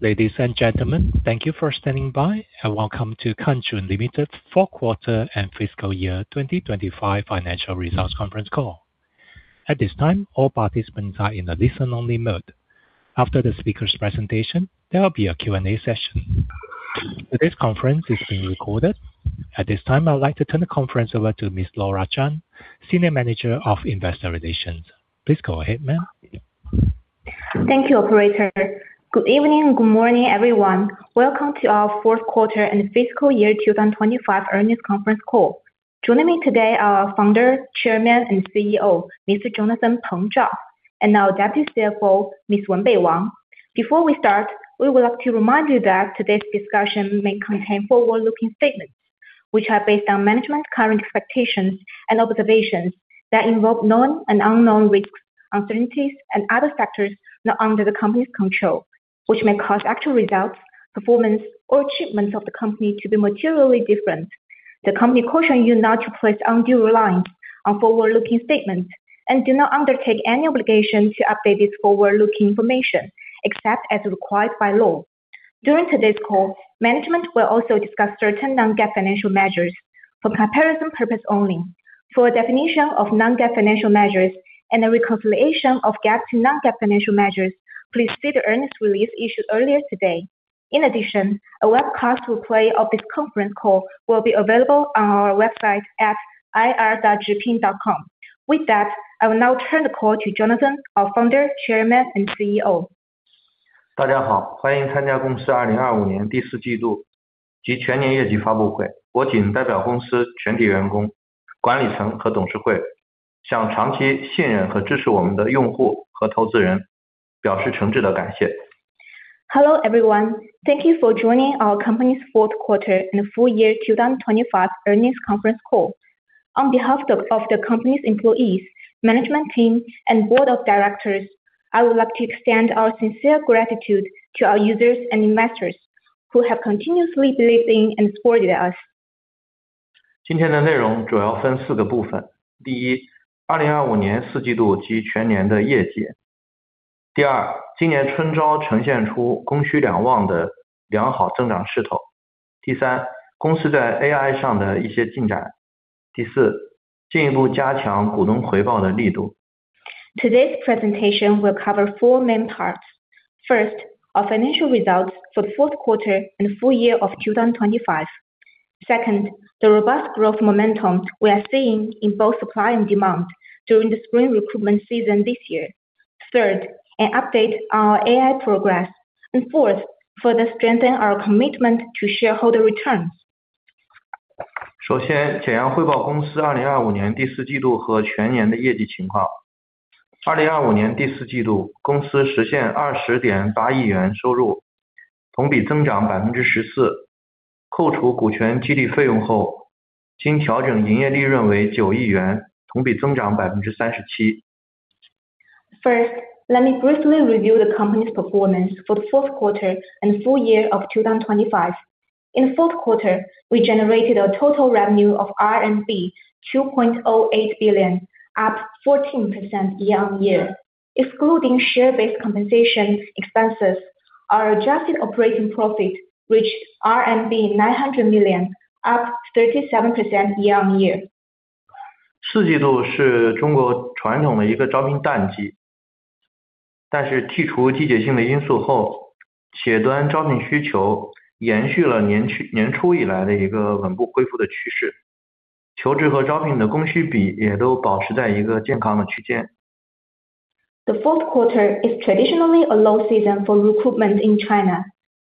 Ladies and gentlemen, thank you for standing by, and welcome to Kanzhun Limited fourth quarter and fiscal year 2025 financial results conference call. At this time, all participants are in a listen only mode. After the speaker's presentation, there will be a Q&A session. Today's conference is being recorded. At this time, I'd like to turn the conference over to Ms. Laura Chan, Senior Manager of Investor Relations. Please go ahead, ma'am. Thank you, operator. Good evening. Good morning, everyone. Welcome to our fourth quarter and fiscal year 2025 earnings conference call. Joining me today are our Founder, Chairman, and CEO, Mr. Jonathan Peng Zhao, and our Deputy CFO, Ms. Wenbei Wang. Before we start, we would like to remind you that today's discussion may contain forward-looking statements, which are based on management's current expectations and observations that involve known and unknown risks, uncertainties, and other factors not under the company's control, which may cause actual results, performance, or achievements of the company to be materially different. The company cautions you not to place undue reliance on forward-looking statements and does not undertake any obligation to update its forward-looking information except as required by law. During today's call, management will also discuss certain non-GAAP financial measures for comparison purposes only. For a definition of non-GAAP financial measures and a reconciliation of GAAP to non-GAAP financial measures, please see the earnings release issued earlier today. In addition, a webcast replay of this conference call will be available on our website at ir.zhipin.com. With that, I will now turn the call to Jonathan, our Founder, Chairman, and CEO. Hello, everyone. Thank you for joining our company's fourth quarter and full year 2025 earnings conference call. On behalf of the company's employees, management team, and board of directors, I would like to extend our sincere gratitude to our users and investors who have continuously believed in and supported us. On behalf of the company's employees, management team, and board of directors, I would like to extend our sincere gratitude to our users and investors who have continuously believed in and supported us. Today's presentation will cover four main parts. First, our financial results for the fourth quarter and full year of 2025. Second, the robust growth momentum we are seeing in both supply and demand during the spring recruitment season this year. Third, an update on our AI progress. Fourth, further strengthen our commitment to shareholder returns. First, let me briefly review the company's performance for the fourth quarter and full year of 2025. In the fourth quarter, we generated a total revenue of RMB 2.08 billion, up 14% year-on-year. Excluding share-based compensation expenses, our adjusted operating profit reached RMB 900 million, up 37% year-on-year. The fourth quarter is traditionally a low season for recruitment in China.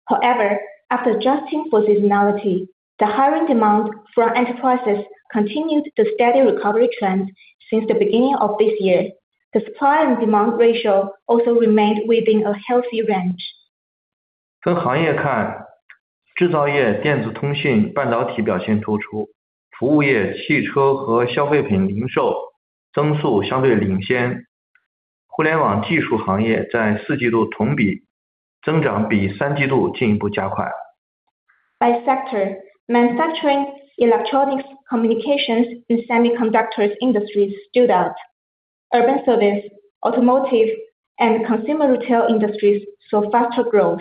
However, after adjusting for seasonality, the hiring demand for enterprises continued the steady recovery trend since the beginning of this year. The supply and demand ratio also remained within a healthy range. By sector, manufacturing, electronics, communications, and semiconductors industries stood out. Urban service, automotive, and consumer retail industries saw faster growth.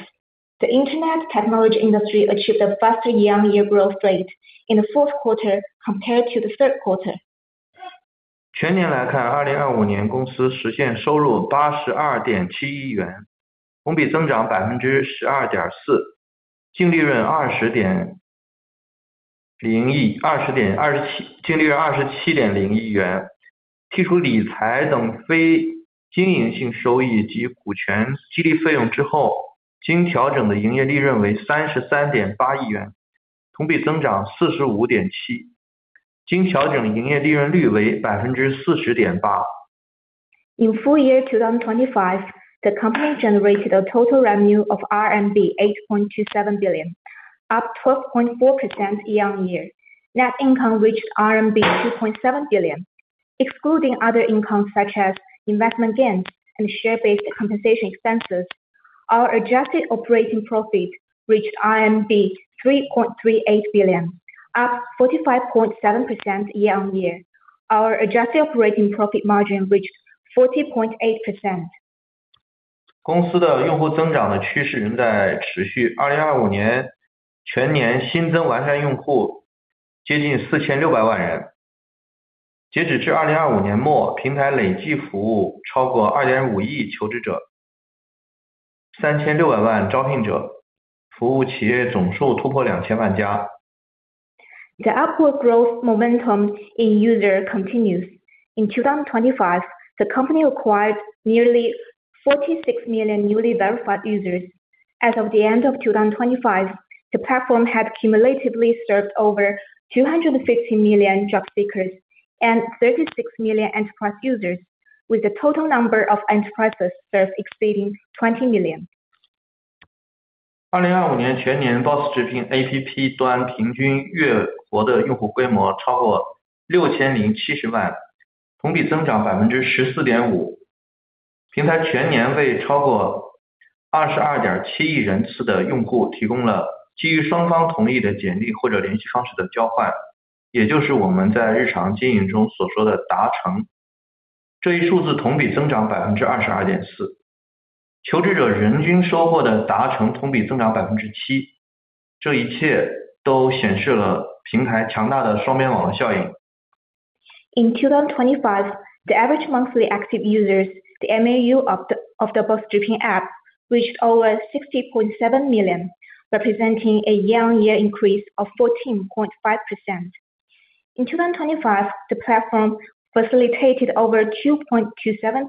The internet technology industry achieved a faster year-on-year growth rate in the fourth quarter compared to the third quarter. In full year 2025, the company generated a total revenue of RMB 8.27 billion, up 12.4% year-on-year. Net income reached RMB 2.7 billion. Excluding other income such as investment gains and share-based compensation expenses, our adjusted operating profit reached 3.38 billion, up 45.7% year-on-year. Our adjusted operating profit margin reached 40.8%. 公司的用户增长的趋势仍在持续。2025年全年新增完善用户接近4,600万人。截止至2025年末，平台累计服务超过2.5亿求职者，3,600万招聘者，服务企业总数突破2,000万家。The upward growth momentum in users continues. In 2025, the company acquired nearly 46 million newly verified users. As of the end of 2025, the platform had cumulatively served over 250 million job seekers and 36 million enterprise users, with the total number of enterprises served exceeding 20 million. 2025年全年，BOSS直聘APP端平均月活用户规模超过6,070万，同比增长14.5%。平台全年为超过22.7亿人次的用户提供了基于双方同意的简历或者联系方式的交换，也就是我们在日常经营中所说的达成。这一数字同比增长22.4%。求职者人均收获的达成同比增长7%。这一切都显示了平台强大的双边网络效应。In 2025, the average monthly active users, the MAU of the BOSS Zhipin app, reached over 60.7 million, representing a year-on-year increase of 14.5%. In 2025, the platform facilitated over 2.27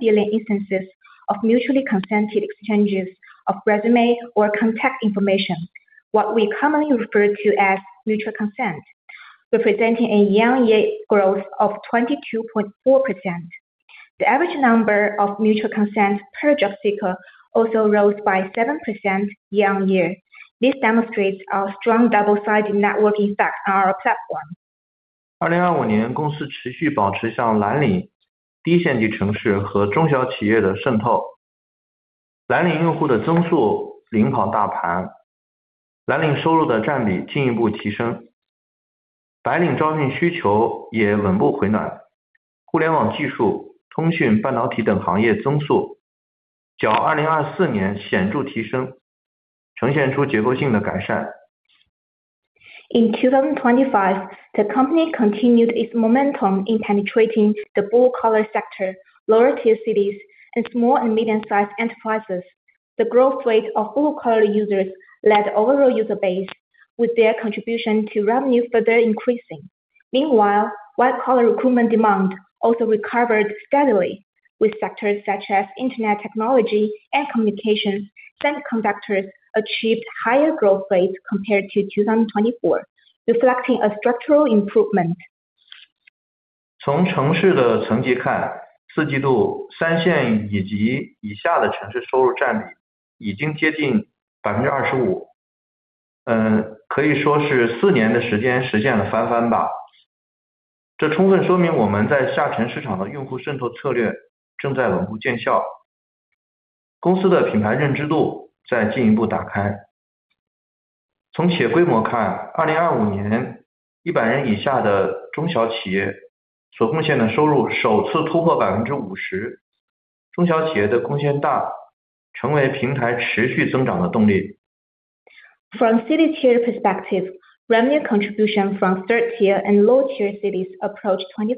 billion instances of mutually consented exchanges of resume or contact information, what we commonly refer to as mutual consent, representing a year-on-year growth of 22.4%. The average number of mutual consent per job seeker also rose by 7% year-on-year. This demonstrates our strong double-sided network effect on our platform. In 2025, the company continued its momentum in penetrating the blue-collar sector, lower-tier cities, and small and medium-sized enterprises. The growth rate of blue-collar users led the overall user base, with their contribution to revenue further increasing. Meanwhile, white-collar recruitment demand also recovered steadily, with sectors such as internet technology and communications semiconductors achieved higher growth rates compared to 2024, reflecting a structural improvement. 从城市的层级看，四季度三线以及以下的城市收入占比已经接近25%。可以说是四年的时间实现了翻番吧。这充分说明我们在下沉市场的用户渗透策略正在稳步见效，公司的品牌认知度在进一步打开。从企业规模看，2025年一百人以下的中小企业所贡献的收入首次突破50%。中小企业的贡献大，成为平台持续增长的动力。From cities tier perspective, revenue contribution from third-tier and lower-tier cities approached 25%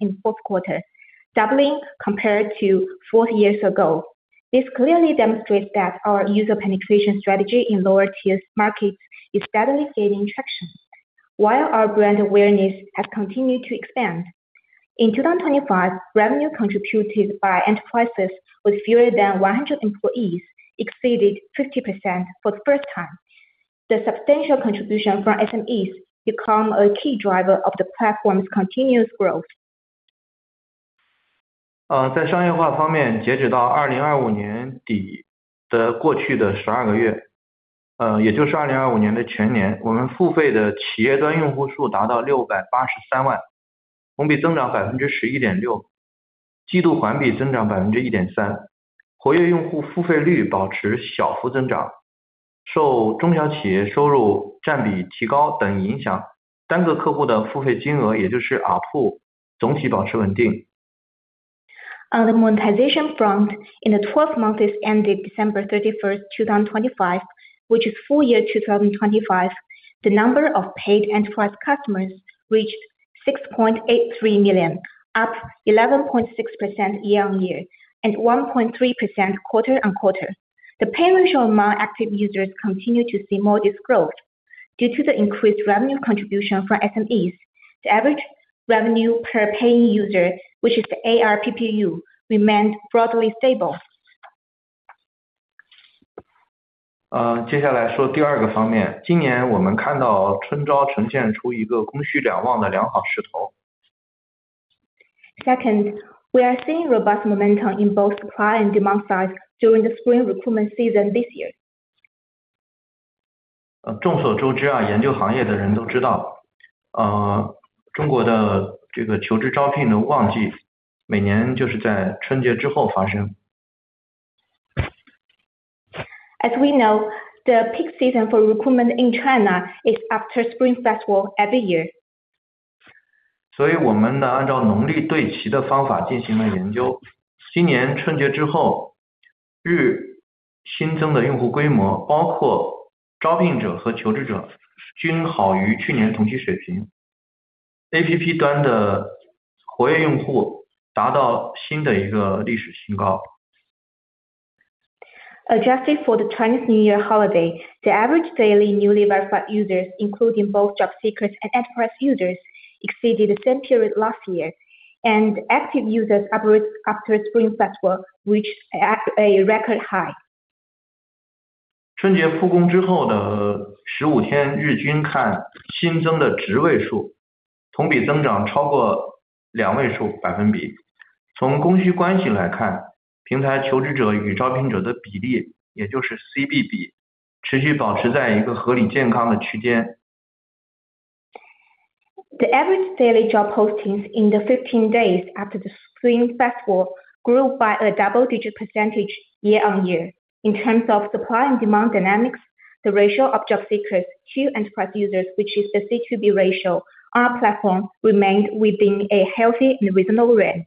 in fourth quarter, doubling compared to 4 years ago. This clearly demonstrates that our user penetration strategy in lower-tier markets is steadily gaining traction while our brand awareness has continued to expand. In 2025, revenue contributed by enterprises with fewer than 100 employees exceeded 50% for the first time. The substantial contribution from SMEs become a key driver of the platform's continuous growth. On the monetization front, in the 12 months ended December 31, 2025, which is full year 2025, the number of paid enterprise customers reached 6.83 million, up 11.6% year-on-year, and 1.3% quarter-on-quarter. The paying user amount active users continued to see modest growth. Due to the increased revenue contribution from SMEs, the average revenue per paying user, which is the ARPPU, remained broadly stable. 接下来说第二个方面，今年我们看到春招呈现出一个供需两旺的良好势头。Second, we are seeing robust momentum in both supply and demand sides during the spring recruitment season this year. 众所周知，研究行业的人都知道，中国的这个求职招聘的旺季每年就是在春节之后发生。As we know, the peak season for recruitment in China is after Spring Festival every year. 所以我们呢，按照农历对齐的方法进行了研究。今年春节之后日新增的用户规模，包括招聘者和求职者均好于去年同期水平。APP端的活跃用户达到新的一个历史新高。Adjusted for the Chinese New Year holiday, the average daily newly verified users, including both job seekers and enterprise users, exceeded the same period last year, and active users upwards after Spring Festival, which at a record high. 春节复工之后的十五天日均看新增的职位数同比增长超过两位数%。从供需关系来看，平台求职者与招聘者的比例，也就是CB比，持续保持在一个合理健康的区间。The average daily job postings in the 15 days after the Spring Festival grew by a double-digit % year-on-year. In terms of supply and demand dynamics, the ratio of job seekers to enterprise users, which is the C to B ratio on our platform, remained within a healthy and reasonable range.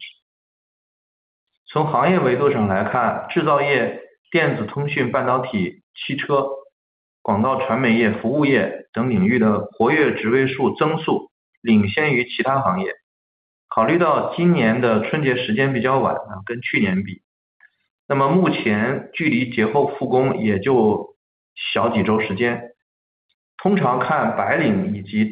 从行业维度上来看，制造业、电子通讯、半导体、汽车、广告传媒业、服务业等领域的活跃职位数增速领先于其他行业。考虑到今年的春节时间比较晚，跟去年比，那么目前距离节后复工也就小几周时间。通常看白领以及大型企业复工的节奏会略晚于蓝领和小型企业。但从目前数据看，互联网、AI技术等等领域的新增和活跃职位同比增速于去年同期已呈现出加快的迹象。By industry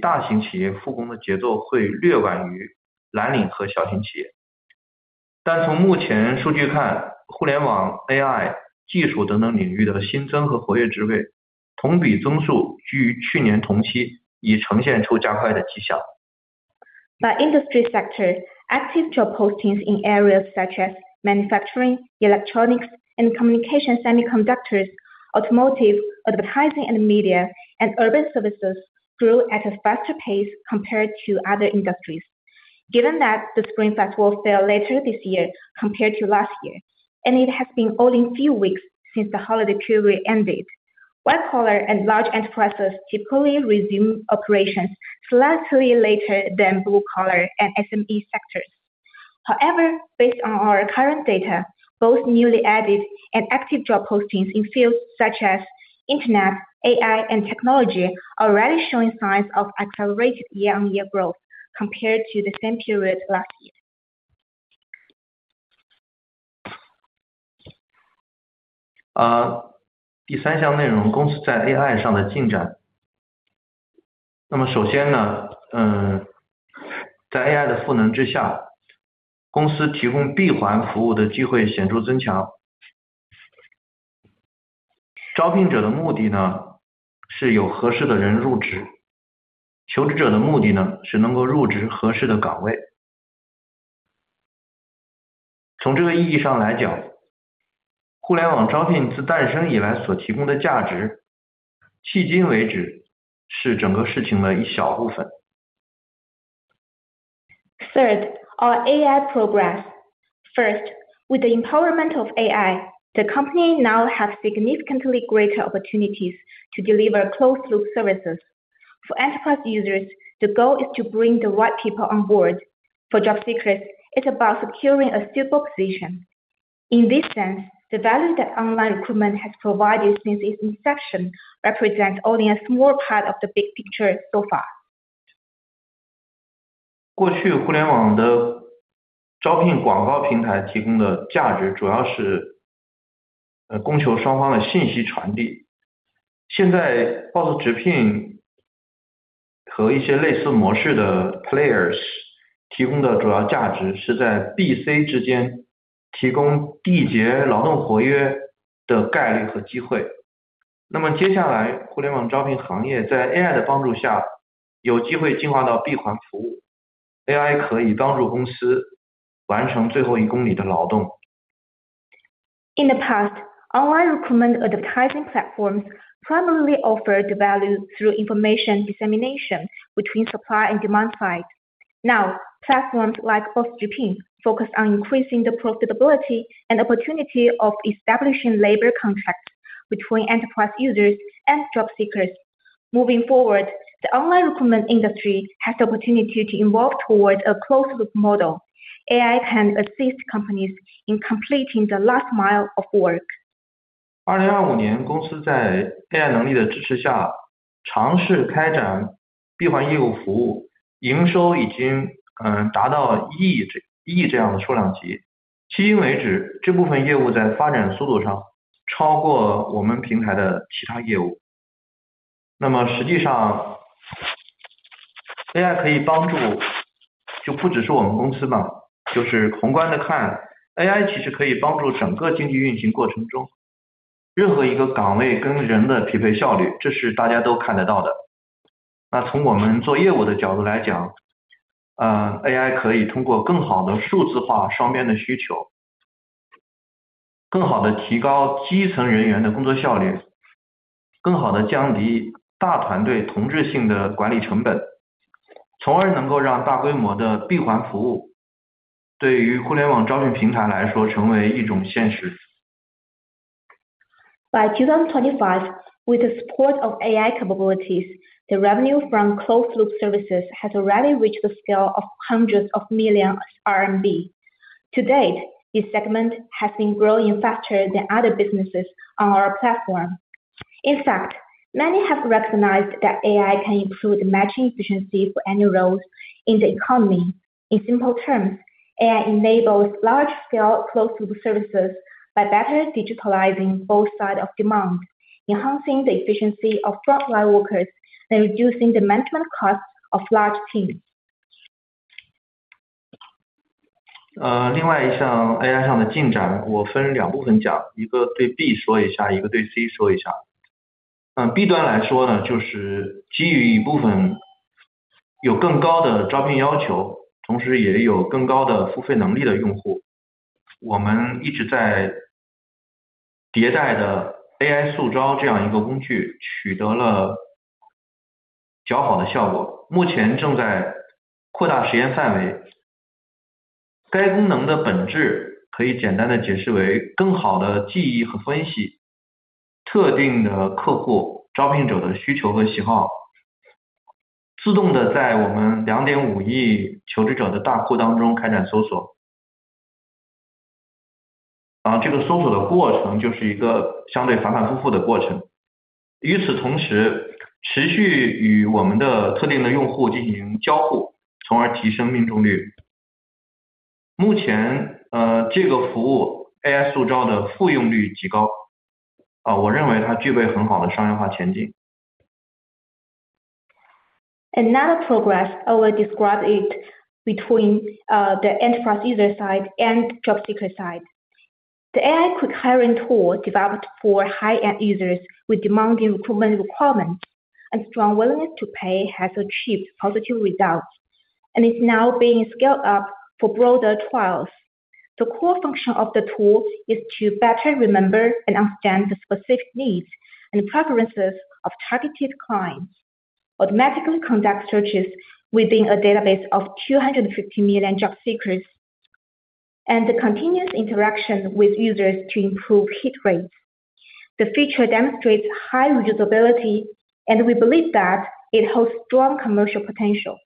sector, active job postings in areas such as manufacturing, electronics and communication, semiconductors, automotive, advertising and media, and urban services grew at a faster pace compared to other industries. Given that the Spring Festival fell later this year compared to last year, and it has been only a few weeks since the holiday period ended. White-collar and large enterprises typically resume operations slightly later than blue-collar and SMEs. However, based on our current data, both newly added and active job postings in fields such as internet, AI, and technology are already showing signs of accelerated year-on-year growth compared to the same period last year. 第三项内容，公司在AI上的进展。首先，在AI的赋能之下，公司提供闭环服务的机会显著增强。招聘者的目的，是有合适的人入职。求职者的目的，是能够入职合适的岗位。从这个意义上来讲，互联网招聘自诞生以来所提供的价值，迄今为止是整个事情的一小部分。Third, our AI progress. First, with the empowerment of AI, the company now has significantly greater opportunities to deliver closed-loop services. For enterprise users, the goal is to bring the right people on board. For job seekers, it's about securing a suitable position. In this sense, the value that online recruitment has provided since its inception represents only a small part of the big picture so far. In the past, online recruitment advertising platforms primarily offered value through information dissemination between supply and demand side. Now, platforms like BOSS Zhipin focus on increasing the profitability and opportunity of establishing labor contracts between enterprise users and job seekers. Moving forward, the online recruitment industry has the opportunity to evolve toward a closed-loop model. AI can assist companies in completing the last mile of work. By 2025, with the support of AI capabilities, the revenue from closed-loop services has already reached the scale of hundreds of millions RMB. To date, this segment has been growing faster than other businesses on our platform. In fact, many have recognized that AI can improve matching efficiency for any roles in the economy. In simple terms, AI enables large scale closed-loop services by better digitalizing both sides of demand, enhancing the efficiency of frontline workers, and reducing the management costs of large teams. Another progress I will describe between the enterprise user side and job seeker side. The AI quick hiring tool developed for high-end users with demanding recruitment requirements and strong willingness to pay has achieved positive results, and is now being scaled up for broader trials. The core function of the tool is to better remember and understand the specific needs and preferences of targeted clients, automatically conduct searches within a database of 250 million job seekers, and through continuous interaction with users to improve hit rates. The feature demonstrates high reusability, and we believe that it holds strong commercial potential.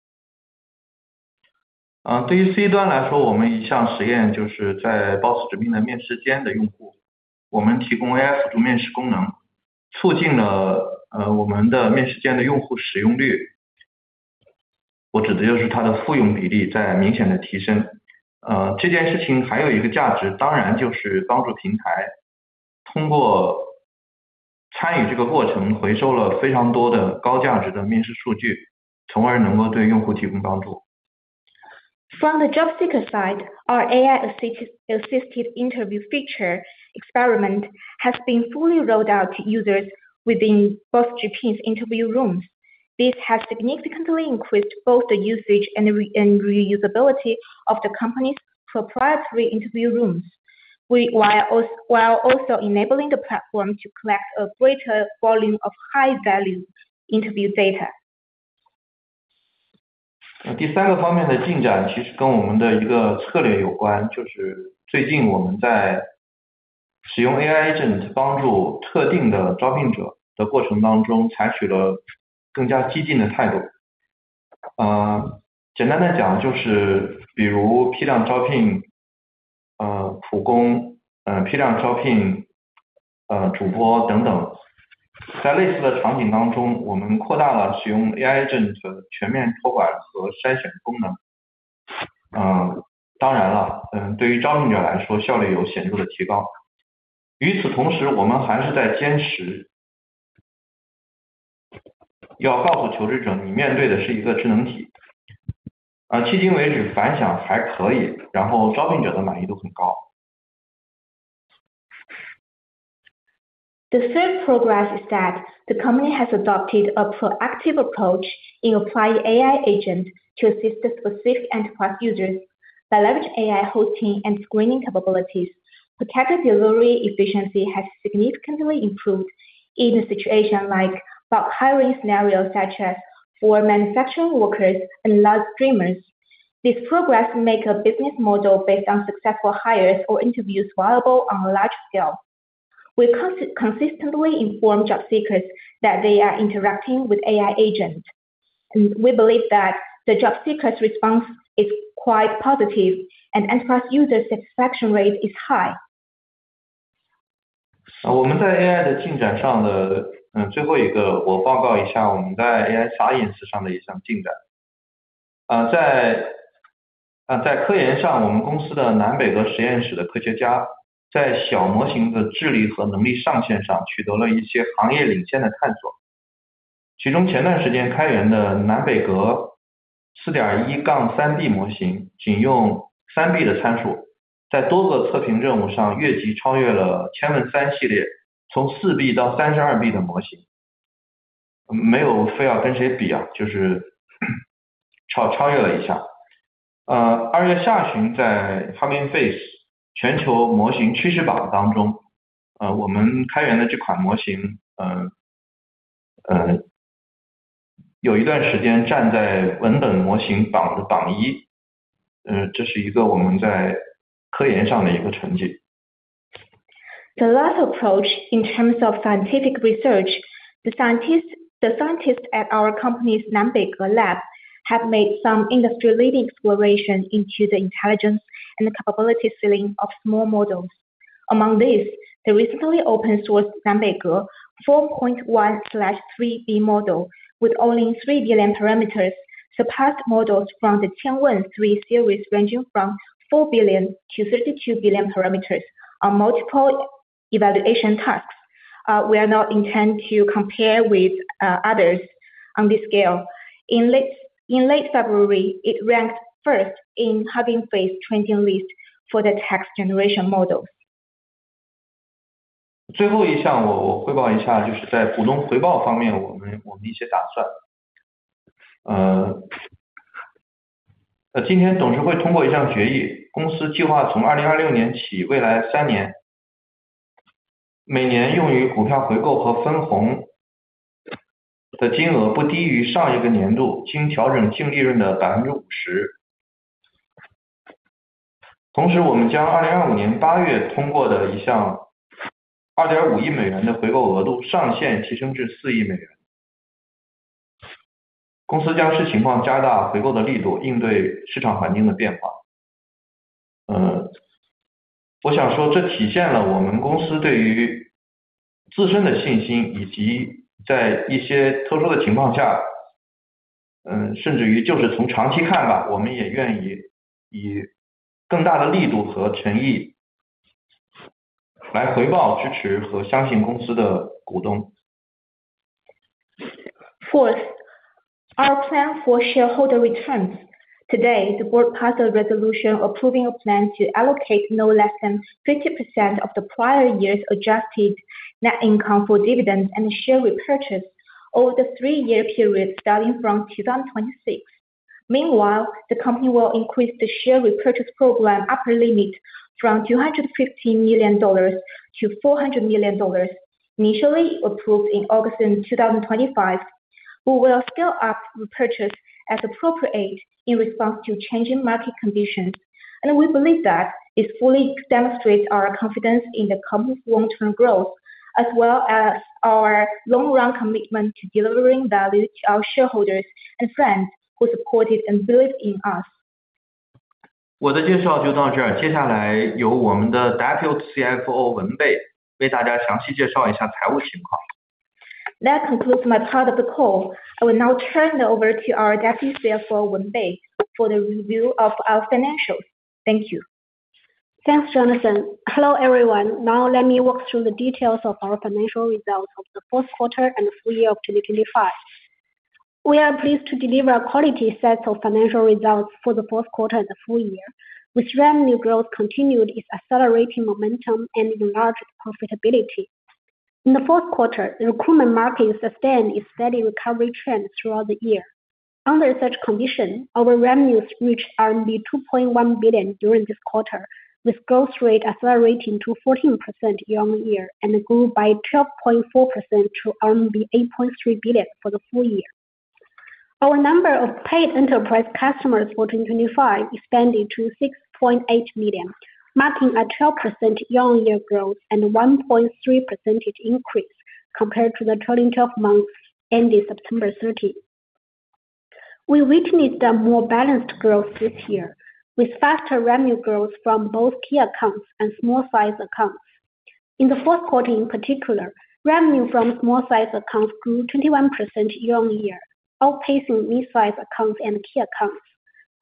From the job seeker side, our AI assisted interview feature experiment has been fully rolled out to users within BOSS Zhipin's interview rooms. This has significantly increased both the usage and reusability of the company's proprietary interview rooms while also enabling the platform to collect a greater volume of high-value interview data. The third progress is that the company has adopted a proactive approach in applying AI agent to assist the specific enterprise users by leveraging AI sourcing and screening capabilities. Categorically, efficiency has significantly improved in a situation like bulk hiring scenarios such as for manufacturing workers and live streamers. These progress make a business model based on successful hires or interviews viable on a large scale. We consistently inform job seekers that they are interacting with AI agent, and we believe that the job seekers' response is quite positive and enterprise users' satisfaction rate is high. 我们在AI的进展上，最后一个我报告一下我们在AI science上的一项进展。在科研上，我们公司的南北格实验室的科学家在小模型的智力和能力上限上取得了一些行业领先的探索，其中前段时间开源的南北阁4.1-3B模型仅用3B的参数在多个测评任务上越级超越了千问三系列，从4B到32B的模型，没有非要跟谁比，就是超越了一下。二月下旬在Hugging Face全球模型趋势榜当中，我们开源的这款模型有一段时间站在文本模型榜的榜一，这是一个我们在科研上的一个成绩。The last approach in terms of scientific research, the scientists at our company's Nanbeige Lab have made some industry-leading exploration into the intelligence and the capability ceiling of small models. Among these, the recently open-sourced Nanbeige 4.1/3B model with only 3 billion parameters surpassed models from the Qwen3 series, ranging from 4 billion-32 billion parameters on multiple evaluation tasks. We do not intend to compare with others on this scale. In late February, it ranked first in Hugging Face trending list for the text generation models. Fourth, our plan for shareholder returns. Today, the board passed a resolution approving a plan to allocate no less than 50% of the prior year's adjusted net income for dividends and share repurchase over the 3-year period starting from 2026. Meanwhile, the company will increase the share repurchase program upper limit from $250 million to $400 million, initially approved in August in 2025. We will scale up repurchase as appropriate in response to changing market conditions, and we believe that it fully demonstrates our confidence in the company's long-term growth, as well as our long-run commitment to delivering value to our shareholders and friends who supported and believe in us. 我的介绍就到这。接下来由我们的Deputy CFO文蓓为大家详细介绍一下财务情况。That concludes my part of the call. I will now turn it over to our Deputy CFO, Wenbei, for the review of our financials. Thank you. Thanks, Jonathan. Hello, everyone. Now let me walk through the details of our financial results of the fourth quarter and full year of 2025. We are pleased to deliver a quality set of financial results for the fourth quarter and the full year, with revenue growth continued its accelerating momentum and enlarged profitability. In the fourth quarter, the recruitment market sustained its steady recovery trend throughout the year. Under such condition, our revenues reached RMB 2.1 billion during this quarter, with growth rate accelerating to 14% year-on-year, and grew by 12.4% to RMB 8.3 billion for the full year. Our number of paid enterprise customers for 2025 expanded to 6.8 million, marking a 12% year-on-year growth and one point three percentage increase compared to the trailing twelve months ending September 30. We witnessed a more balanced growth this year, with faster revenue growth from both key accounts and small-sized accounts. In the fourth quarter, in particular, revenue from small-sized accounts grew 21% year-over-year, outpacing mid-sized accounts and key accounts.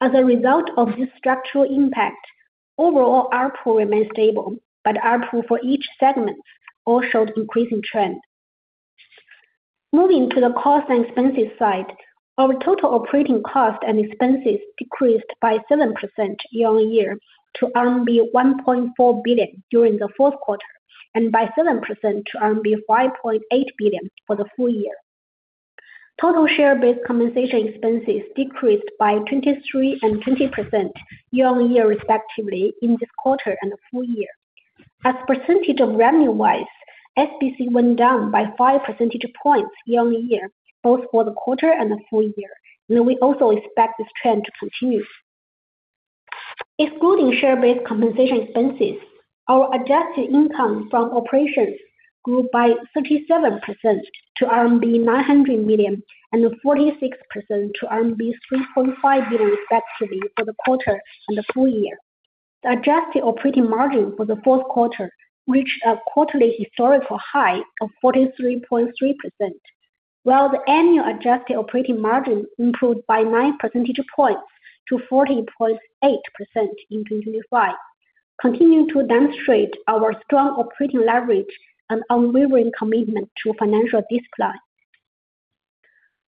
As a result of this structural impact, overall ARPU remained stable, but ARPU for each segment all showed increasing trend. Moving to the cost and expenses side, our total operating cost and expenses decreased by 7% year-over-year to RMB 1.4 billion during the fourth quarter, and by 7% to RMB 5.8 billion for the full year. Total share-based compensation expenses decreased by 23% and 20% year-over-year respectively in this quarter and the full year. As percentage of revenue-wise, SBC went down by 5 percentage points year on year, both for the quarter and the full year, and we also expect this trend to continue. Excluding share-based compensation expenses, our adjusted income from operations grew by 37% to RMB 900 million, and 46% to RMB 3.5 billion respectively for the quarter and the full year. The adjusted operating margin for the fourth quarter reached a quarterly historical high of 43.3%, while the annual adjusted operating margin improved by 9 percentage points to 40.8% in 2025, continuing to demonstrate our strong operating leverage and unwavering commitment to financial discipline.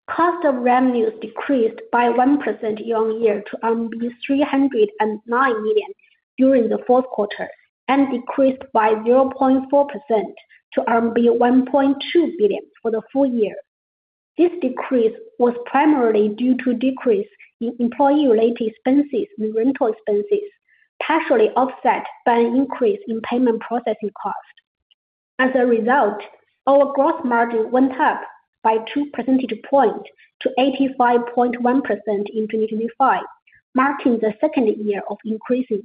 Cost of revenues decreased by 1% year-on-year to 309 million during the fourth quarter, and decreased by 0.4% to RMB 1.2 billion for the full year. This decrease was primarily due to decrease in employee related expenses and rental expenses, partially offset by an increase in payment processing cost. As a result, our gross margin went up by two percentage point to 85.1% in 2025, marking the second year of increasing.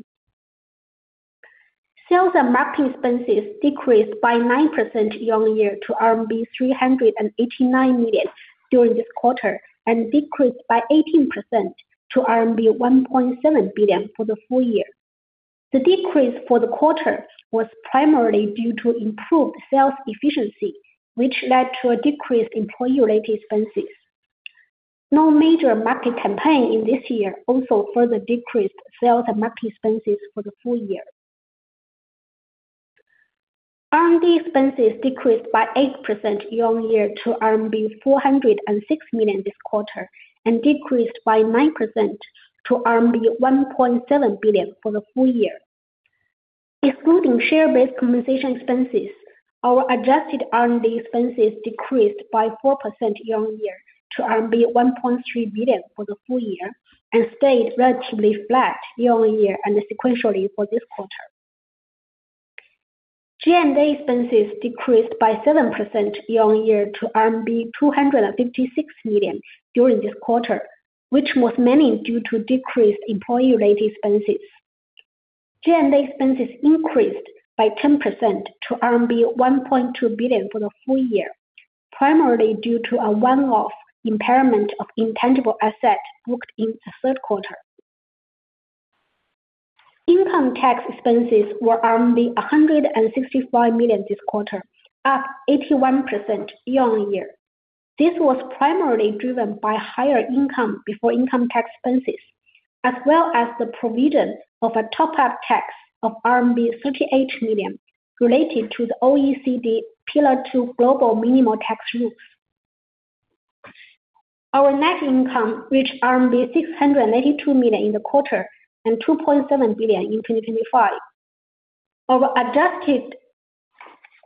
Sales and marketing expenses decreased by 9% year-on-year to RMB 389 million during this quarter, and decreased by 18% to RMB 1.7 billion for the full year. The decrease for the quarter was primarily due to improved sales efficiency, which led to a decrease in employee-related expenses. No major market campaign in this year also further decreased sales and marketing expenses for the full year. R&D expenses decreased by 8% year-on-year to RMB 406 million this quarter, and decreased by 9% to RMB 1.7 billion for the full year. Excluding share-based compensation expenses, our adjusted R&D expenses decreased by 4% year-on-year to RMB 1.3 billion for the full year and stayed relatively flat year-on-year and sequentially for this quarter. G&A expenses decreased by 7% year-on-year to RMB 256 million during this quarter, which was mainly due to decreased employee related expenses. G&A expenses increased by 10% to RMB 1.2 billion for the full year, primarily due to a one-off impairment of intangible asset booked in the third quarter. Income tax expenses were 165 million this quarter, up 81% year-on-year. This was primarily driven by higher income before income tax expenses, as well as the provision of a top-up tax of RMB 38 million related to the OECD Pillar Two global minimum tax rules. Our net income reached RMB 682 million in the quarter and 2.7 billion in 2025. Our adjusted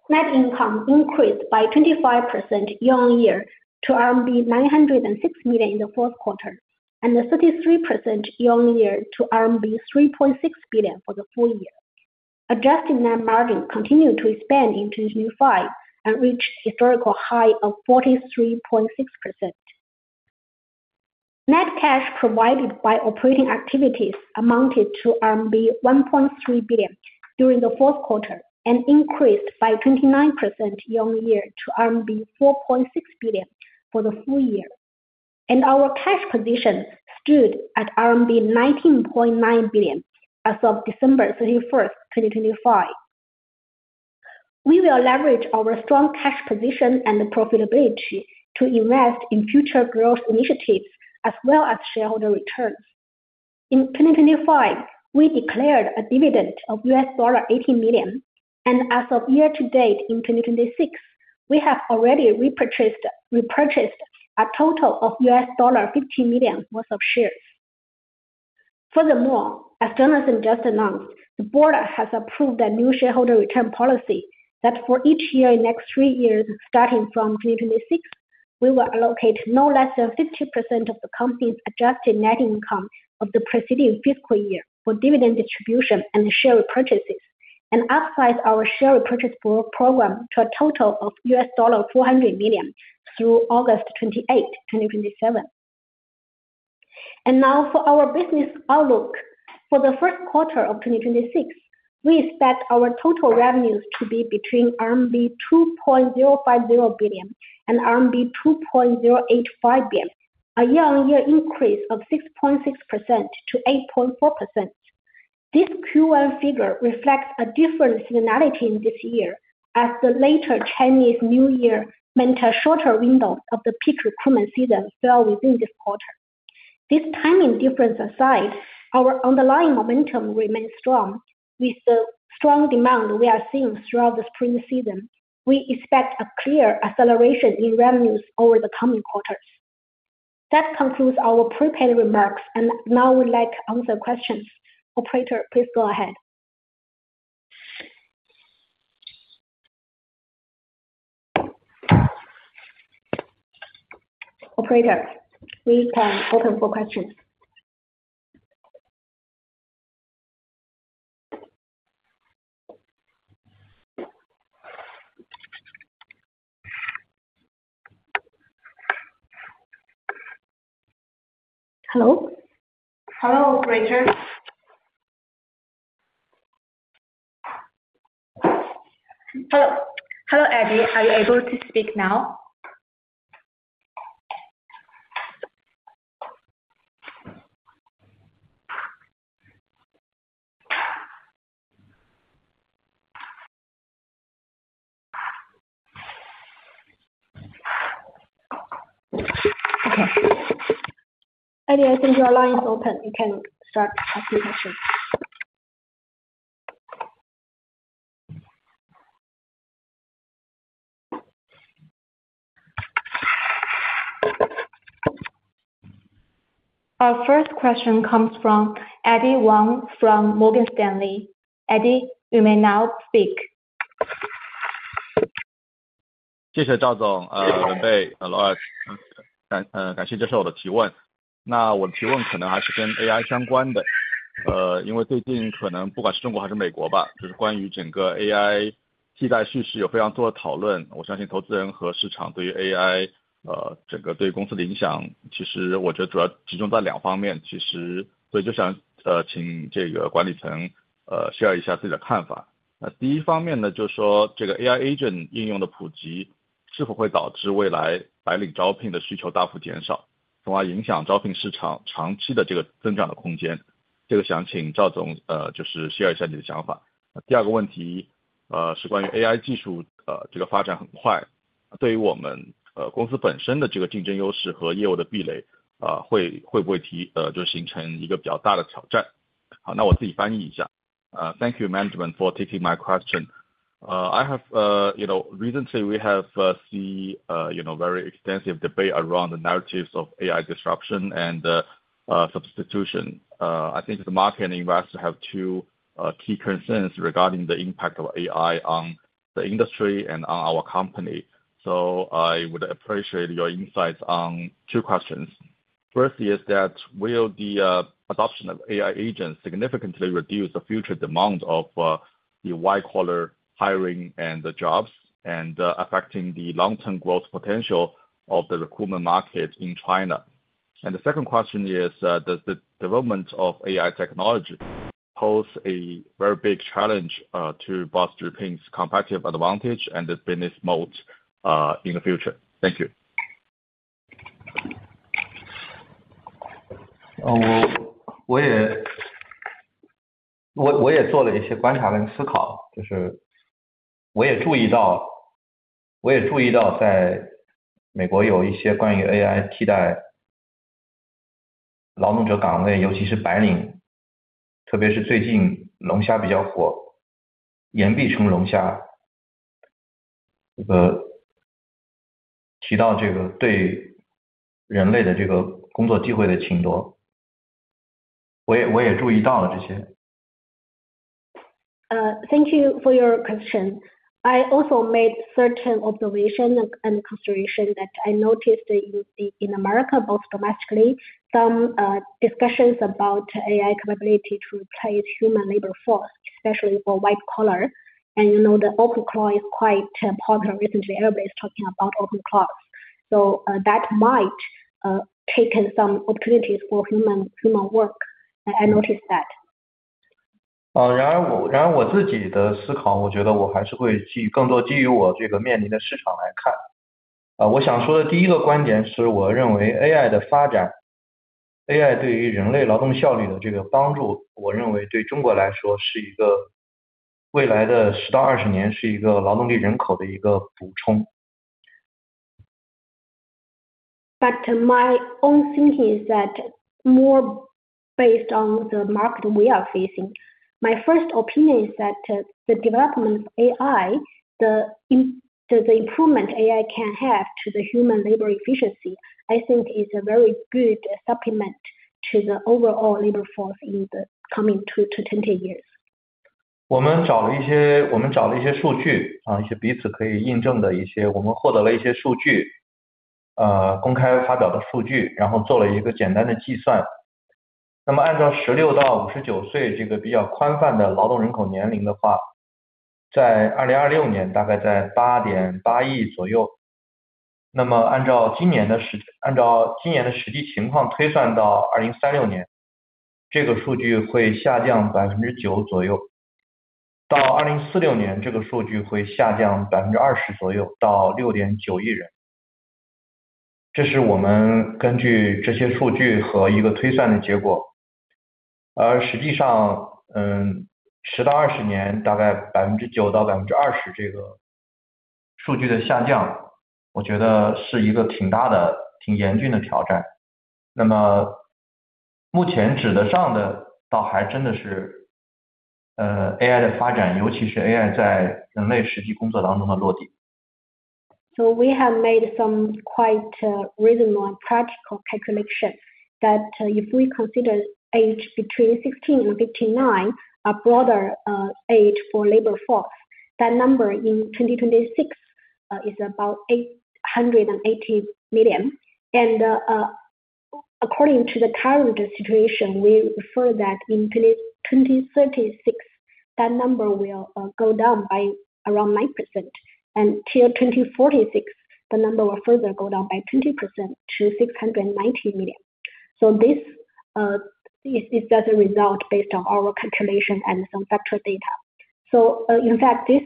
net income increased by 25% year-on-year to RMB 906 million in the fourth quarter, and 33% year-on-year to RMB 3.6 billion for the full year. Adjusted net margin continued to expand in 2025 and reached a historical high of 43.6%. Net cash provided by operating activities amounted to RMB 1.3 billion during the fourth quarter, and increased by 29% year-on-year to RMB 4.6 billion for the full year. Our cash position stood at RMB 19.9 billion as of December 31, 2025. We will leverage our strong cash position and profitability to invest in future growth initiatives as well as shareholder returns. In 2025, we declared a dividend of $80 million, and as of year to date in 2026, we have already repurchased a total of $50 million worth of shares. Furthermore, as Jonathan just announced, the board has approved a new shareholder return policy that for each year in next 3 years, starting from 2026, we will allocate no less than 50% of the company's adjusted net income of the preceding fiscal year for dividend distribution and share repurchases, and upsize our share repurchase program to a total of $400 million through August 28, 2027. Now for our business outlook. For the first quarter of 2026, we expect our total revenues to be between RMB 2.050 billion and RMB 2.085 billion, a year-on-year increase of 6.6% to 8.4%. This Q1 figure reflects a different seasonality in this year, as the later Chinese New Year meant a shorter window of the peak recruitment season fell within this quarter. This timing difference aside, our underlying momentum remains strong. With the strong demand we are seeing throughout the spring season, we expect a clear acceleration in revenues over the coming quarters. That concludes our prepared remarks, and now we'd like to answer questions. Operator, please go ahead. Operator, please open for questions. Hello? Hello, operator. Hello. Hello, Eddie. Are you able to speak now? Okay. Eddy, I think your line is open. You can start asking questions. Our first question comes from Eddy Wang from Morgan Stanley. Eddy, you may now speak. Agent应用的普及是否会导致未来白领招聘的需求大幅减少，从而影响招聘市场长期的这个增长的空间。这个想请赵总就是share一下你的想法。第二个问题，是关于AI技术这个发展很快，对于我们公司本身的这个竞争优势和业务的壁垒，会不会形成一个比较大的挑战。好，那我自己翻译一下。Thank you management for taking my question. I have, you know, recently we have seen very extensive debate around the narratives of AI disruption and substitution. I think the market investor have two key concerns regarding the impact of AI on the industry and on our company. I would appreciate your insights on two questions. First is that will the adoption of AI agents significantly reduce the future demand of the white collar hiring and the jobs and affecting the long term growth potential of the recruitment market in China? The second question is, does the development of AI technology pose a very big challenge to BOSS直聘's competitive advantage and the business model in the future? Thank you. 我也做了一些观察和思考，我也注意到在美国有一些关于AI替代劳动者岗位，尤其是白领，特别是最近龙虾比较火，言必称龙虾。提到这个对人类的工作机会的侵夺，我也注意到了这些。Thank you for your question. I also made certain observation and consideration that I noticed in America both domestically some discussions about AI capability to replace human labor force, especially for white collar. You know the OpenAI is quite popular recently everybody's talking about OpenAI, so that might taken some opportunities for human work. I noticed that. 然而我自己的思考，我觉得我还是会更多基于我这个面临的市场来看。我想说的第一个观点是，我认为AI的发展，AI对于人类劳动效率的这个帮助，我认为对中国来说，未来的十到二十年是一个劳动力人口的一个补充。My own thinking is that more based on the market we are facing. My first opinion is that the development of AI, the improvement AI can have to the human labor efficiency, I think is a very good supplement to the overall labor force in the coming 20 years. We have made some quite reasonable and practical calculation that if we consider age between 16 and 59, a broader age for labor force, that number in 2026 is about 880 million. According to the current situation, we infer that in 2036, that number will go down by around 9%, and till 2046, the number will further go down by 20% to 690 million. This is the result based on our calculation and some factual data. In fact, this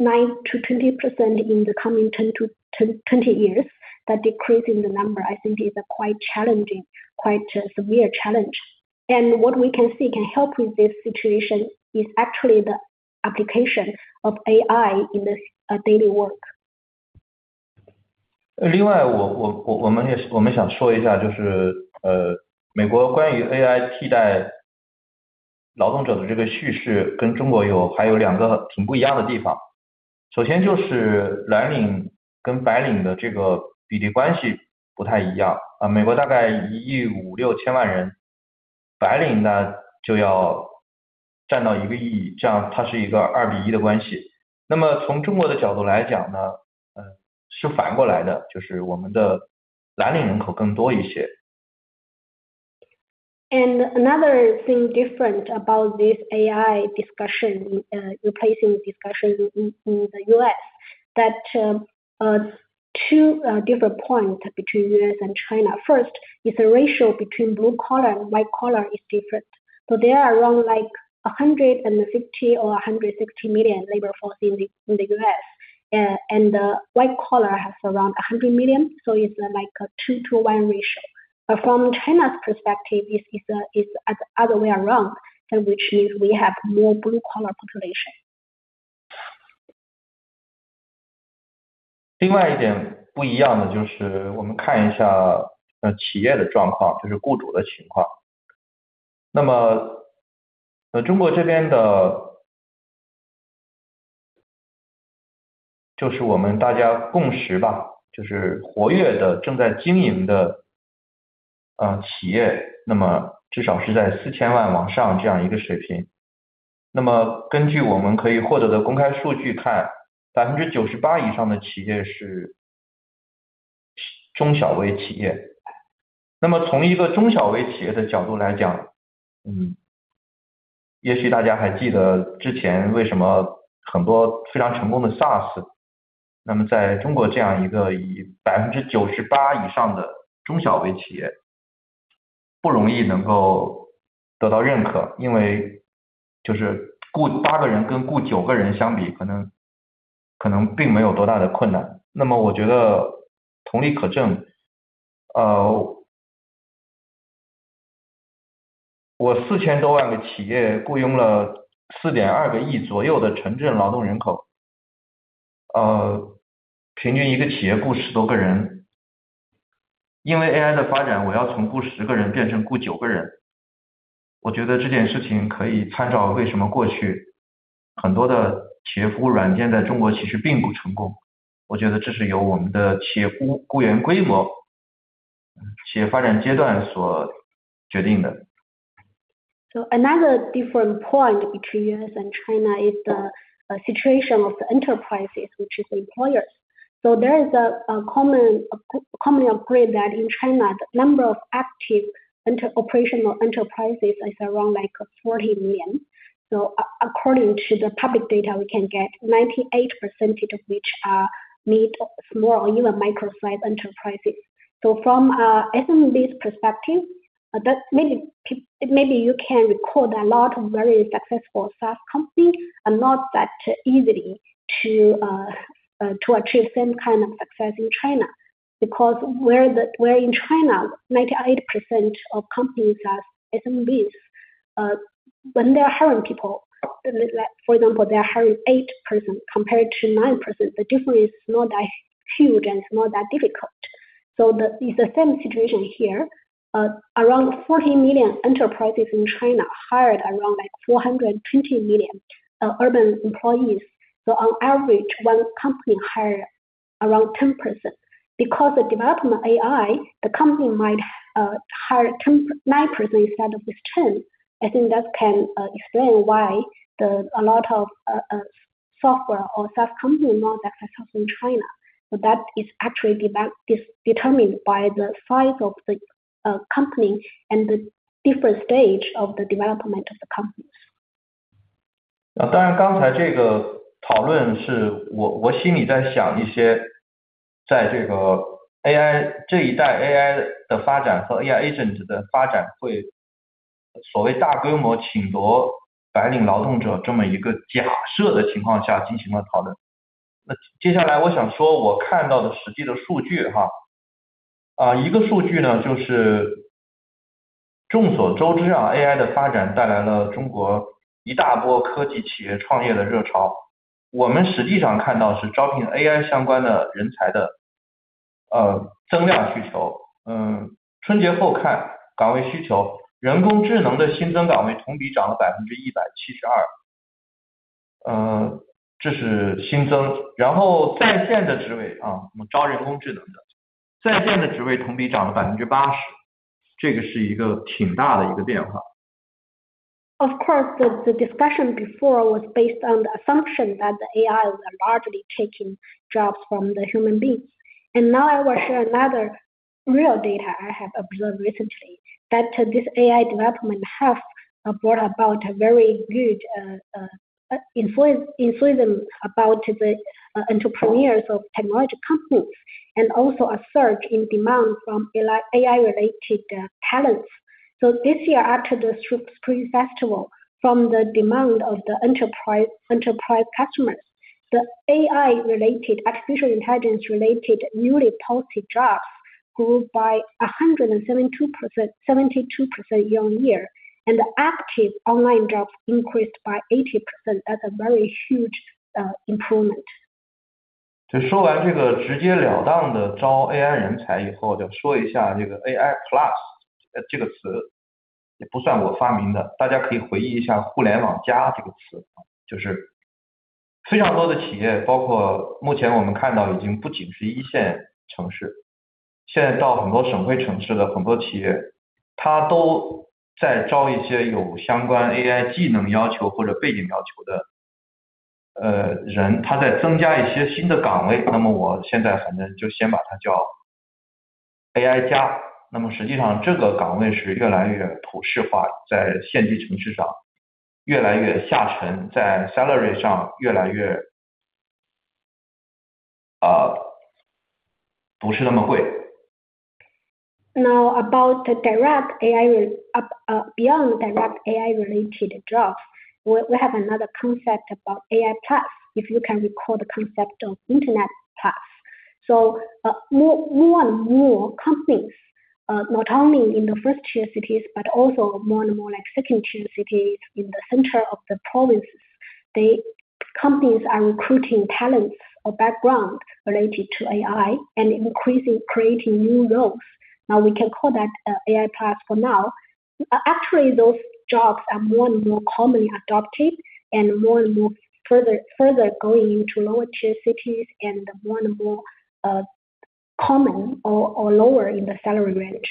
9%-20% in the coming 10-20 years, that decrease in the number I think is a quite challenging, quite a severe challenge. What we can see can help with this situation is actually the application of AI in this daily work. Another thing different about this AI discussion that two different points between the U.S. and China. First is the ratio between blue collar and white collar is different. There are around like 150 or 160 million labor force in the U.S., and white collar has around 100 million, so it's like a 2-to-1 ratio. From China's perspective, it is at the other way around, which is we have more blue collar population. Another different point between U.S. and China is the situation of the enterprises, which is employers. There is a commonly agreed that in China, the number of active operational enterprises is around 40 million. According to the public data, we can get 98% of which are mid, small or even micro size enterprises. From SMBs perspective, maybe you can recall that a lot of very successful SaaS companies are not that easy to achieve same kind of success in China, because where in China, 98% of companies are SMBs, when they are hiring people, like for example, they are hiring 8 person compared to 9 person, the difference is not that huge and it's not that difficult. It's the same situation here. Around 40 million enterprises in China hired around 420 million urban employees. On average, one company hire around 10 person. Because the development AI, the company might hire 9 person instead of 10. I think that can explain why a lot of software or SaaS company not that successful in China, but that is actually determined by the size of the company and the different stage of the development of the companies. 当然，刚才这个讨论是我心里在想，在这个AI——这一代AI的发展和AI Of course, the discussion before was based on the assumption that the AIs are largely taking jobs from the human beings. Now I will share another real data I have observed recently that this AI development has brought about a very good influence about the entrepreneurs of technology companies and also a surge in demand from AI related talents. This year, after the Spring Festival, from the demand of the enterprise customers, the AI related artificial intelligence related newly posted jobs grew by 172%, 72% year-on-year and the active online jobs increased by 80%. That's a very huge improvement. 说完这个直截了当地招AI人才以后，说一下这个AI Plus，这个词也不算我发明的，大家可以回忆一下互联网+这个词，就是非常多的企业，包括目前我们看到已经不仅是一线城市，现在到很多省会城市的很多企业，它都在招一些有相关AI技能要求或者背景要求的人，在增加一些新的岗位。那么我现在反正就先把它叫AI加，那么实际上这个岗位是越来越普世化，在县级城市上越来越下沉，在salary上越来越不是那么贵。Now about the direct AI up, beyond direct AI related jobs. We have another concept about AI Plus if you can recall the concept of Internet Plus. More and more companies, not only in the first-tier cities, but also more and more like second-tier cities in the center of the provinces. These companies are recruiting talents or background related to AI and increasingly creating new roles. Now we can call that AI Plus for now. Actually those jobs are more and more commonly adopted and more and more further going into lower-tier cities and more and more common or lower in the salary range.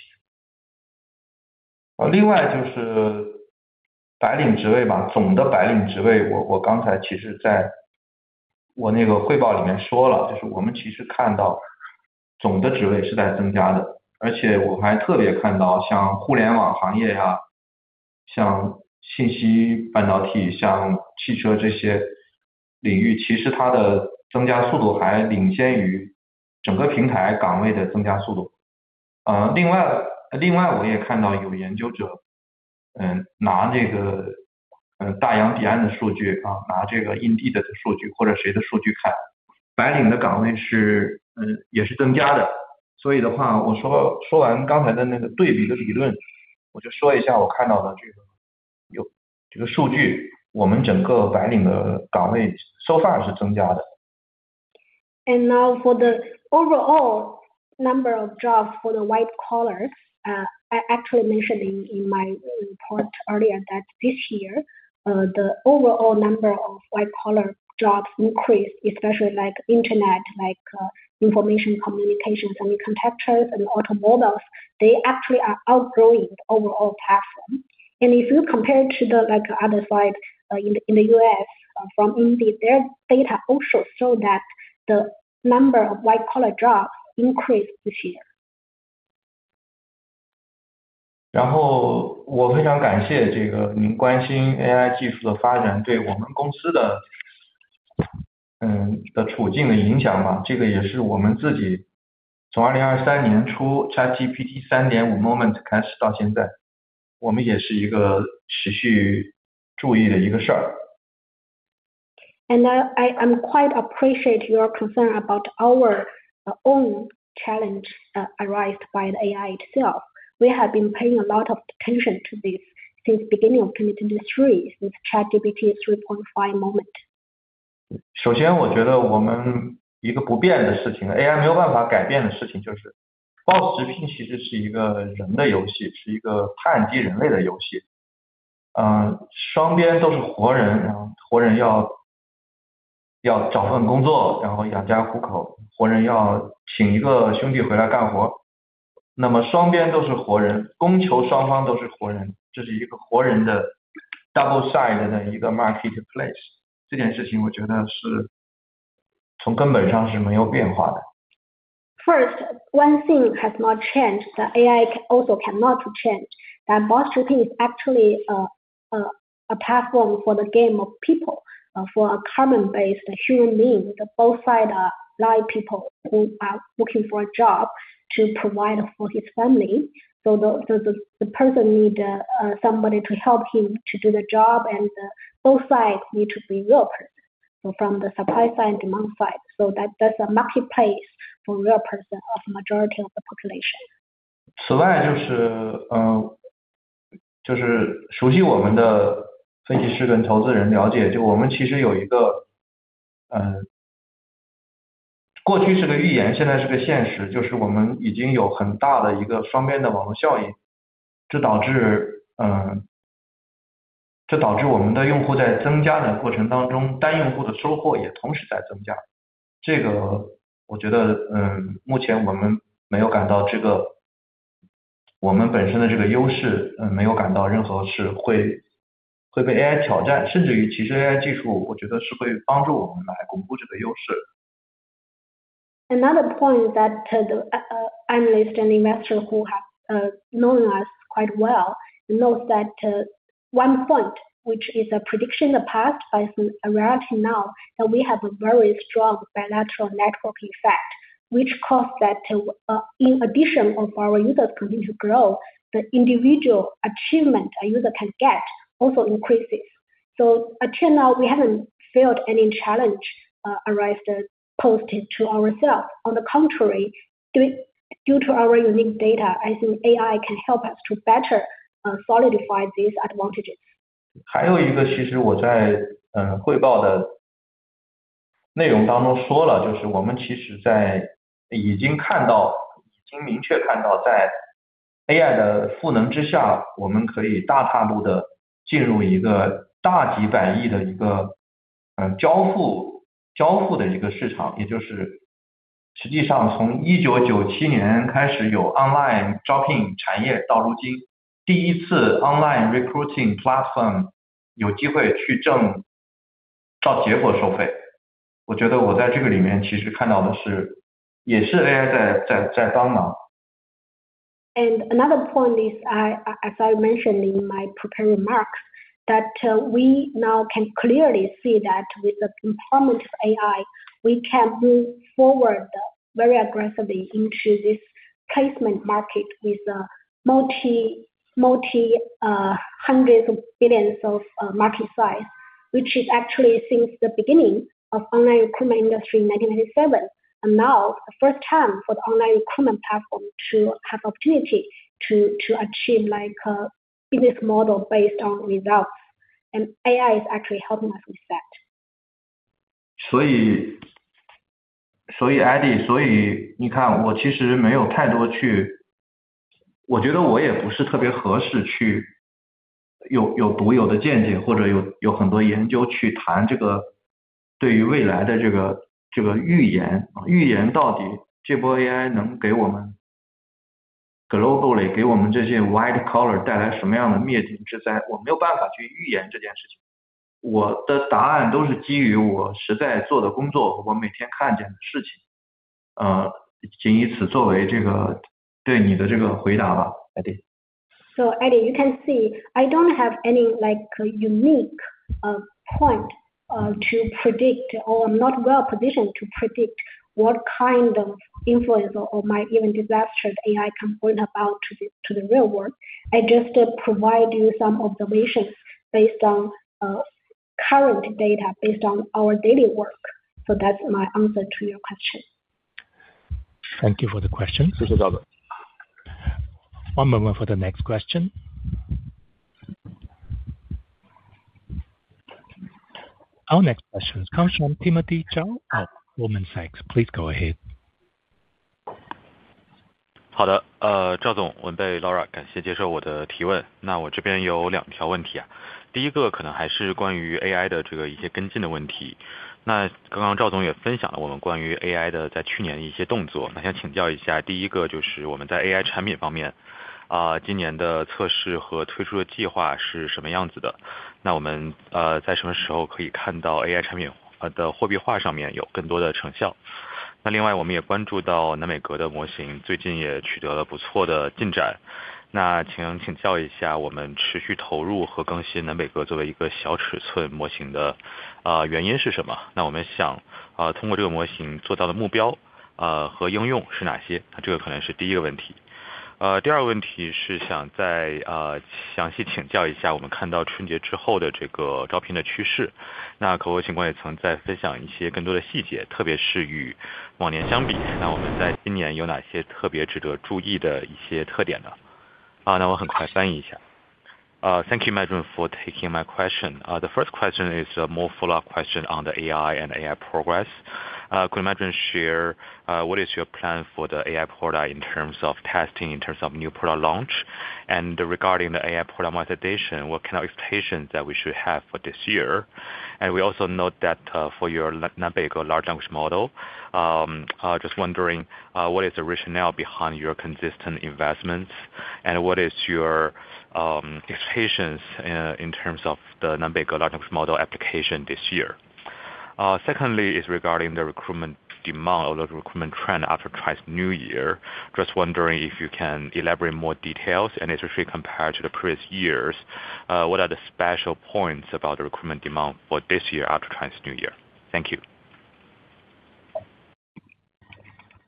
另外就是白领职位，总的白领职位，我刚才其实在我那个汇报里面说了，就是我们其实看到总的职位是在增加的，而且我还特别看到像互联网行业，像信息半导体，像汽车这些领域，其实它的增加速度还领先于整个平台岗位的增加速度。另外，我也看到有研究者拿这个大洋彼岸的数据，拿这个Indeed的数据或者谁的数据看，白领的岗位也是增加的。所以的话，说完刚才的那个对比的理论，我就说一下我看到的这个数据，我们整个白领的岗位so far是增加的。Now for the overall number of jobs for the white-collar, I actually mentioned in my report earlier that this year, the overall number of white-collar jobs increased, especially like Internet, like information communications and contractors and automobiles, they actually are outgrowing the overall platform. If you compare to the like other side, in the U.S., from Indeed, their data also show that the number of white-collar jobs increased this year. 非常感谢您关心AI技术的发展对我们公司的处境的影响。这也是我们自己从2023年初ChatGPT 3.5 moment开始到现在，持续注意的一件事。I quite appreciate your concern about our own challenge arisen by the AI itself. We have been paying a lot of attention to this since beginning of 2023, since ChatGPT 3.5 moment. 首先我觉得我们一个不变的事情，AI没有办法改变的事情，就是BOSS直聘其实是一个人的游戏，是一个碳基人类的游戏，双边都是活人，活人要找份工作，然后养家糊口，活人要请一个兄弟回来干活，那么双边都是活人，供求双方都是活人，这是一个活人的double side的一个marketplace。这件事情我觉得从根本上是没有变化的。First, one thing has not changed, the AI also cannot change that BOSS直聘 is actually a platform for the game of people, for a commonplace human being. The both side are live people who are looking for a job to provide for his family. The person need somebody to help him to do the job and both sides need to be real person from the supply side and demand side. That's a marketplace for real person of majority of the population. Another point that analyst and investor who have known us quite well knows that one point, which is a prediction in the past, but it's a reality now, that we have a very strong bilateral network effect, which cause that, in addition of our users continue to grow, the individual achievement a user can get also increases. Until now, we haven't felt any challenge arise that posed to ourselves. On the contrary, due to our unique data, I think AI can help us to better solidify these advantages. 还有一个，其实我在汇报的内容当中说了，就是我们其实已经看到，已经明确看到，在AI的赋能之下，我们可以大踏步地进入一个大几百亿的交付市场，也就是实际上从1997年开始有online招聘产业到如今，第一次online recruiting platform有机会去挣到结果收费。我觉得我在这个里面其实看到的，也是AI在帮忙。Another point is, as I mentioned in my prepared remarks, that we now can clearly see that with the empowerment of AI, we can move forward very aggressively into this placement market with a multi-hundreds of billions of market size, which is actually since the beginning of online recruitment industry in 1997. Now the first time for the online recruitment platform to have opportunity to achieve like a business model based on results. AI is actually helping us with that. 所以，Eddie，你看我其实没有太多去，我觉得我也不是特别合适去有独有的见解，或者有很多研究去谈这个对于未来的这个预言，预言到底这波AI能给我们globally给我们这些white collar带来什么样的灭顶之灾，我没有办法去预言这件事情。我的答案都是基于我实在做的工作和我每天看见的事情，仅以此作为这个对你的回答吧，Eddie。Eddy, you can see I don't have any like unique point, I'm not well-positioned to predict what kind of influence or might even disastrous AI can have on the real world. I just provide you some observations based on current data, based on our daily work. That's my answer to your question. Thank you for the question. 谢谢大家。One moment for the next question. Our next question comes from Timothy Zhao of Goldman Sachs. Please go ahead. 好的，赵总、文蓓、Laura，感谢接受我的提问。那我这边有两条问题，第一个可能还是关于AI的一些跟进的问题。那刚刚赵总也分享了我们关于AI的在去年的一些动作，那想请教一下，第一个就是我们在AI产品方面，今年的测试和推出的计划是什么样子的，那我们在什么时候可以看到AI产品的货币化上面有更多的成效。那另外我们也关注到南北格的模型最近也取得了不错的进展，那请教一下，我们持续投入和更新南北格作为一个小尺寸模型的原因是什么？那我们想通过这个模型做到的目标和应用是哪些？这个可能是第一个问题。第二个问题是想再详细请教一下，我们看到春节之后的这个招聘的趋势，那可否请各位再分享一些更多的细节，特别是与往年相比，那我们在今年有哪些特别值得注意的一些特点呢？那我很快翻译一下。Uh, thank you very much for taking my question. The first question is a follow-up question on the AI progress. Could management share what is your plan for the AI product in terms of testing, in terms of new product launch? Regarding the AI product monetization, what kind of expectations that we should have for this year? We also note that for your Nanbeige large language model, just wondering what is the rationale behind your consistent investments and what is your expectations in terms of the Nanbeige large language model application this year? Secondly is regarding the recruitment demand or the recruitment trend after Chinese New Year. Just wondering if you can elaborate more details and especially compared to the previous years, what are the special points about the recruitment demand for this year after Chinese New Year? Thank you.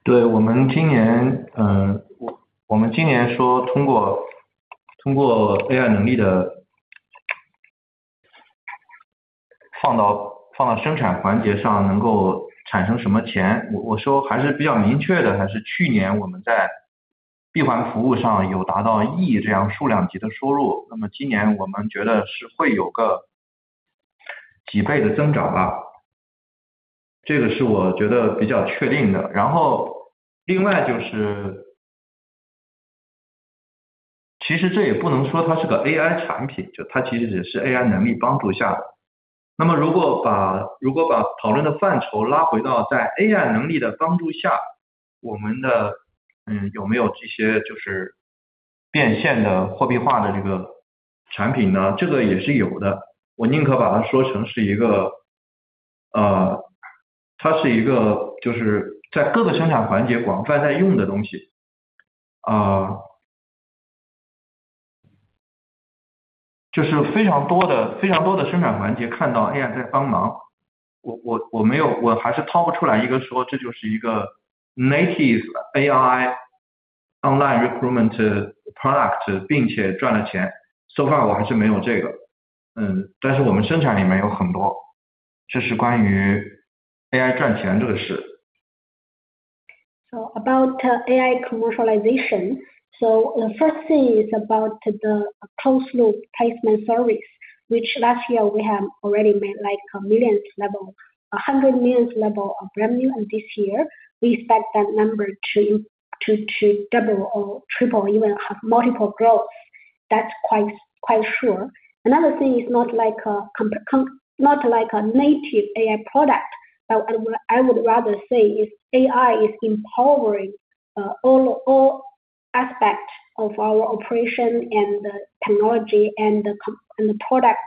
对，我们今年通过AI能力放到生产环节上能够产生什么钱，我说还是比较明确的，还是去年我们在闭环服务上有达到亿这样数量级的收入，那么今年我们觉得是会有个几倍的增长吧，这个是我觉得比较确定的。然后另外就是，其实这也不能说它是个AI产品，就它其实只是AI能力帮助下的。那么如果把讨论的范畴拉回到在AI能力的帮助下，我们有没有一些就是变现的货币化的这个产品呢？这个也是有的，我宁可把它说成是一个，它是一个就是在各个生产环节广泛在用的东西，就是非常多的生产环节看到AI在帮忙，我没有，我还是掏不出来一个说这就是一个native AI online recruitment product并且赚了钱。So far我还是没有这个，但是我们生产里面有很多，这是关于AI赚钱这个事。About AI commercialization. The first thing is about the closed-loop placement service, which last year we have already made like millions level, hundred millions level of revenue. This year we expect that number to double or triple even multiple growth. That's quite sure. Another thing is not like a native AI product, but I would rather say is AI is empowering all aspects of our operation and technology and the product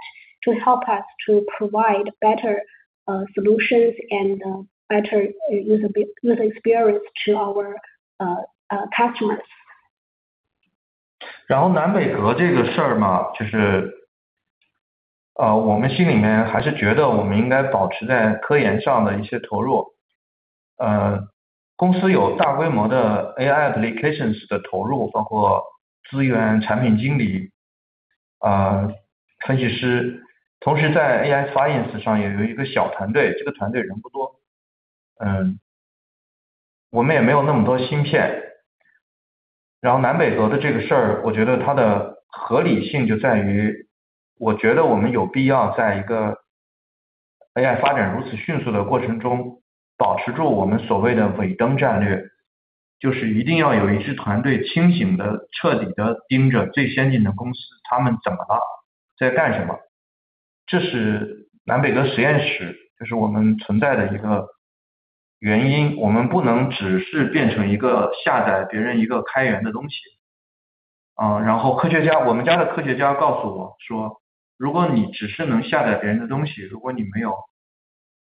to help us to provide better solutions and better user experience to our customers. 然后南北格这个事儿嘛，我们心里面还是觉得我们应该保持在科研上的一些投入。公司有大规模的AI applications的投入，包括资源、产品经理、分析师。同时在AI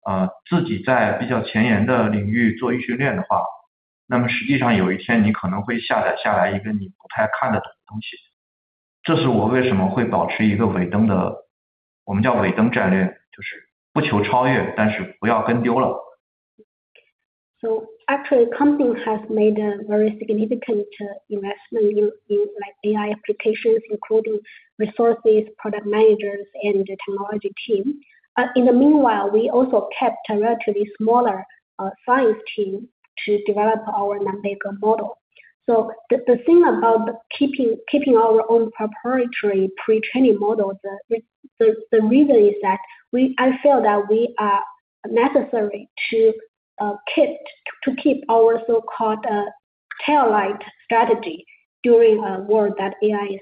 Actually company has made a very significant investment in like AI applications, including resources, product managers and the technology team. In the meanwhile, we also kept a relatively smaller science team to develop our Nanbeige model. The thing about keeping our own proprietary pre-training model, the reason is that I feel that we are necessary to keep our so-called tail light strategy during a world that AI is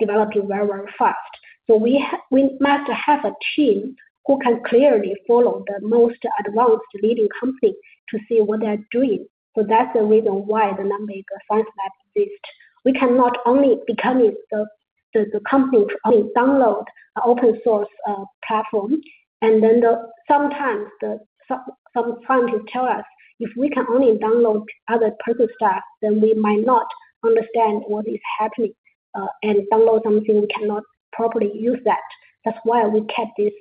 developing very, very fast. We must have a team who can clearly follow the most advanced leading company to see what they are doing. That's the reason why the Nanbeige science lab exists. We cannot only becoming the company to only download open source platform. Sometimes some friends tell us if we can only download other people's stuff, then we might not understand what is happening, and download something we cannot properly use that. That's why we kept this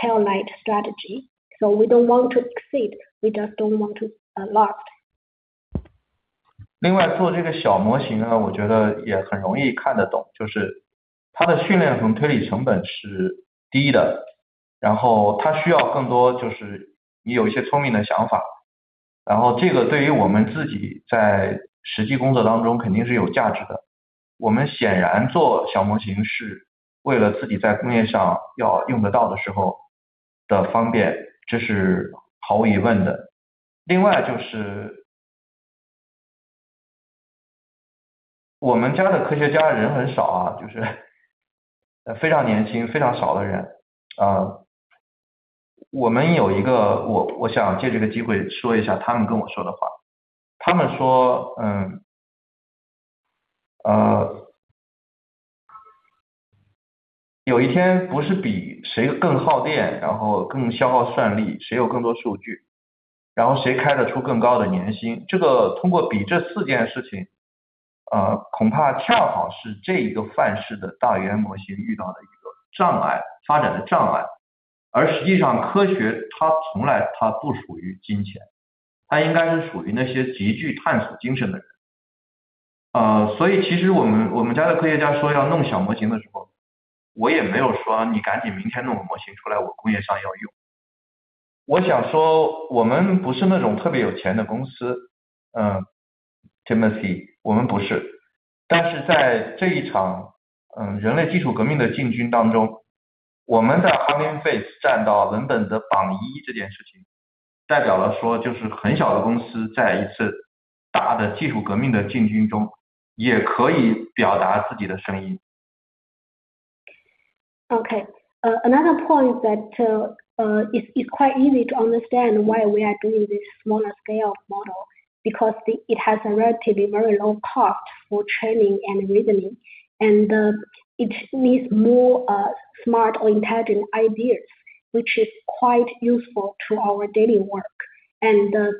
taillight strategy. We don't want to exceed, we just don't want to be left. 另外做这个小模型呢，我觉得也很容易看得懂，就是它的训练和推理成本是低的，然后它需要更多，就是你有一些聪明的想法，然后这个对于我们自己在实际工作当中肯定是有价值的。我们显然做小模型是为了自己在工业上要用得到的时候的方便，这是毫无疑问的。另外就是我们家的科学家人很少啊，就是非常年轻，非常少的人。我想借这个机会说一下他们跟我说的话，他们说，有一天不是比谁更耗电，然后更消耗算力，谁有更多数据，然后谁开得出更高的年薪。这个通过比这四件事情，恐怕恰好是这一个范式的大语言模型遇到的一个障碍，发展的障碍。而实际上科学它从来不属于金钱，它应该是属于那些极具探索精神的人。所以其实我们，我们家的科学家说要弄小模型的时候，我也没有说你赶紧明天弄个模型出来，我工业上要用。我想说，我们不是那种特别有钱的公司，Timothy，我们不是。但是在这一场人类技术革命的进军当中，我们的Hugging Okay. Another point that is quite easy to understand why we are doing this smaller scale model. Because it has a relatively very low cost for training and reasoning, and it needs more smart or intelligent ideas, which is quite useful to our daily work.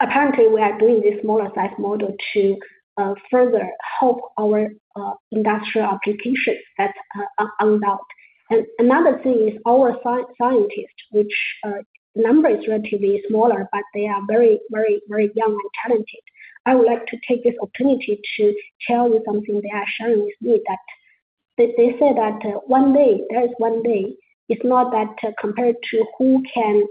Apparently we are doing this smaller size model to further help our industrial applications. That's undoubtedly. Another thing is our scientists, which number is relatively smaller, but they are very young and talented. I would like to take this opportunity to tell you something they are sharing with me that they say that one day, there is one day. It's not that compared to who can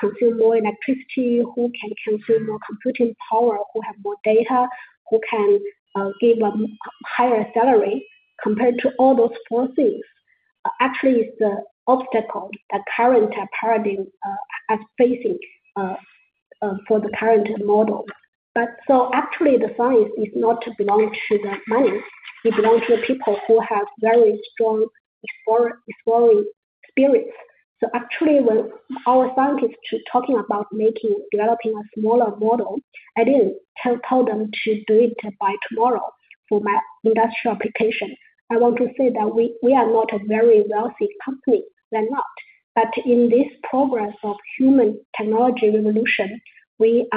consume more electricity, who can consume more computing power, who have more data, who can give a higher salary compared to all those four things. Actually, it's the obstacle that current paradigm is facing for the current model. Actually the science is not belong to the money, it belong to the people who have very strong exploring spirits. Actually when our scientists talking about developing a smaller model, I didn't tell them to do it by tomorrow for my industrial application. I want to say that we are not a very wealthy company. We are not. In this process of human technology revolution, we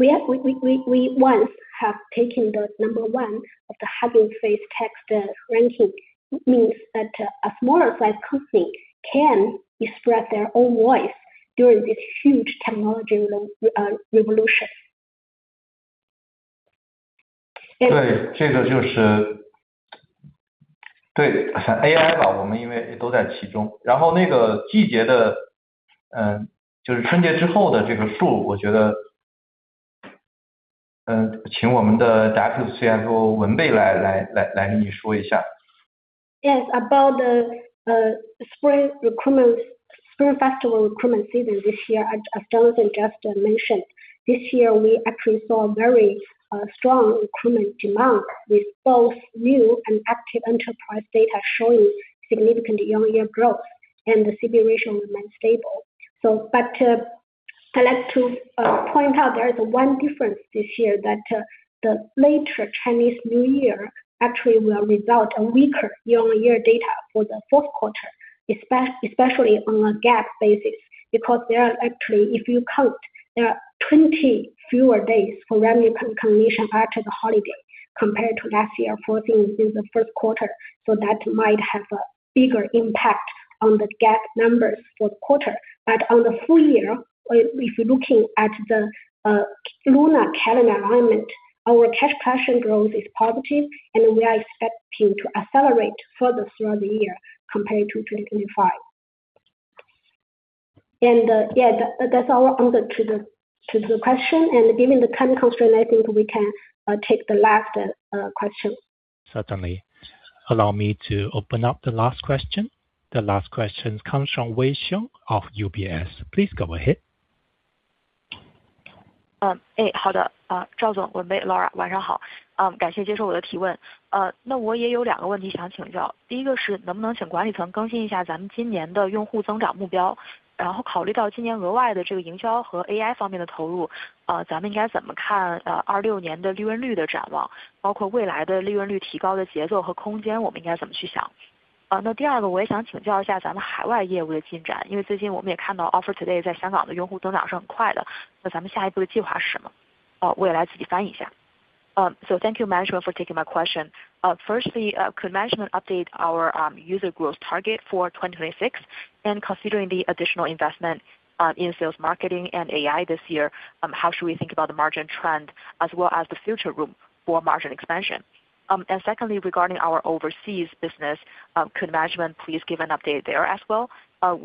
once have taken the number one of the Hugging Face text ranking. It means that a smaller size company can express their own voice during this huge technology revolution. 对，这个就是...对，AI吧，我们因为都在其中，然后那个季节的，就是春节之后的这个数，我觉得...请我们的CFO文蓓来给你说一下。Yes, about the spring recruitment, spring festival recruitment season this year, as Jonathan just mentioned, this year we actually saw very strong recruitment demand with both new and active enterprise data showing significant year-on-year growth and the situation remains stable. I'd like to point out there is one difference this year that the later Chinese New Year actually will result in a weaker year-on-year data for the fourth quarter, especially on a GAAP basis, because there are actually, if you count, there are 20 fewer days for revenue recognition after the holiday compared to last year, 14 in the first quarter. That might have a bigger impact on the GAAP numbers fourth quarter. On the full year, if you're looking at the lunar calendar alignment, our cash collection growth is positive and we are expecting to accelerate further throughout the year compared to 2025. Yeah, that's the answer to the question. Given the time constraint, I think we can take the last question. Certainly. Allow me to open up the last question. The last question comes from Wei Xiong of UBS. Please go ahead. 赵总、文蓓、Laura 晚上好。感谢接受我的提问。那我也有两个问题想请教。第一个是能不能请管理层更新一下咱们今年的用户增长目标，然后考虑到今年额外的这个营销和 AI 方面的投入，咱们应该怎么看二六年的利润率的展望，包括未来的利润率提高的节奏和空间，我们应该怎么去想？那第二个我也想请教一下咱们海外业务的进展，因为最近我们也看到 OfferToday 在香港的用户增长是很快的，那咱们下一步的计划是什么？我也来自己翻译一下。Thank you management for taking my question. Firstly, could management update our user growth target for 2026? Considering the additional investment in sales, marketing, and AI this year, how should we think about the margin trend as well as the future room for margin expansion? Secondly, regarding our overseas business, could management please give an update there as well?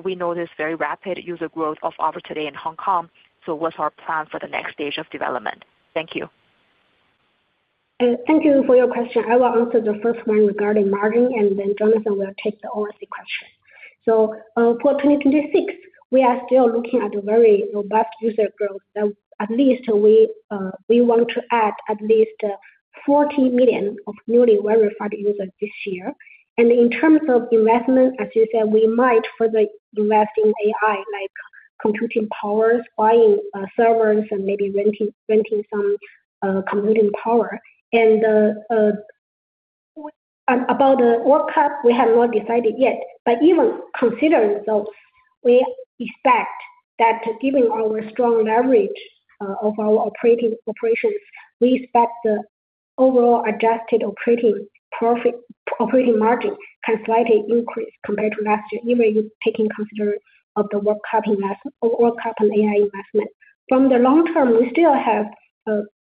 We know there's very rapid user growth of OfferToday in Hong Kong. What's our plan for the next stage of development? Thank you. Thank you for your question. I will answer the first one regarding margin and then Jonathan will take the overseas question. For 2026, we are still looking at a very robust user growth. At least we want to add at least 40 million newly well-referred users this year. In terms of investment, as you said, we might further invest in AI like computing powers, buying servers and maybe renting some computing power. About the workup, we have not decided yet, but even considering those, we expect that given our strong leverage of our operations, we expect the overall adjusted operating profit operating margin can slightly increase compared to last year, even taking consideration of the workup and AI investment. From the long term, we still have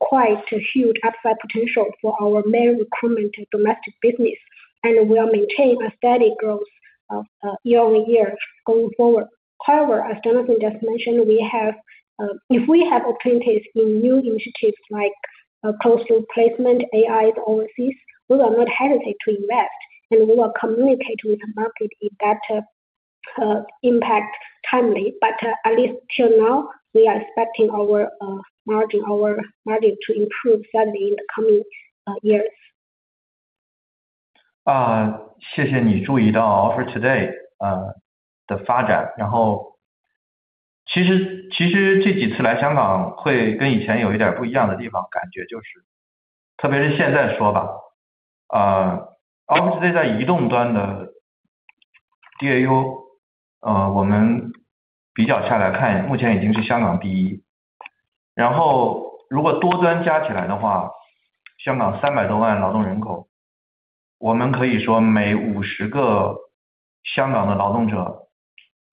quite a huge upside potential for our main recruitment and domestic business, and we'll maintain a steady growth of year-over-year going forward. However, as Jonathan just mentioned, we have if we have opportunities in new initiatives like closed-loop placement, AI overseas, we will not hesitate to invest and we will communicate with the market if that impact timely. At least till now, we are expecting our margin to improve slightly in the coming years.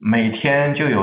Thank you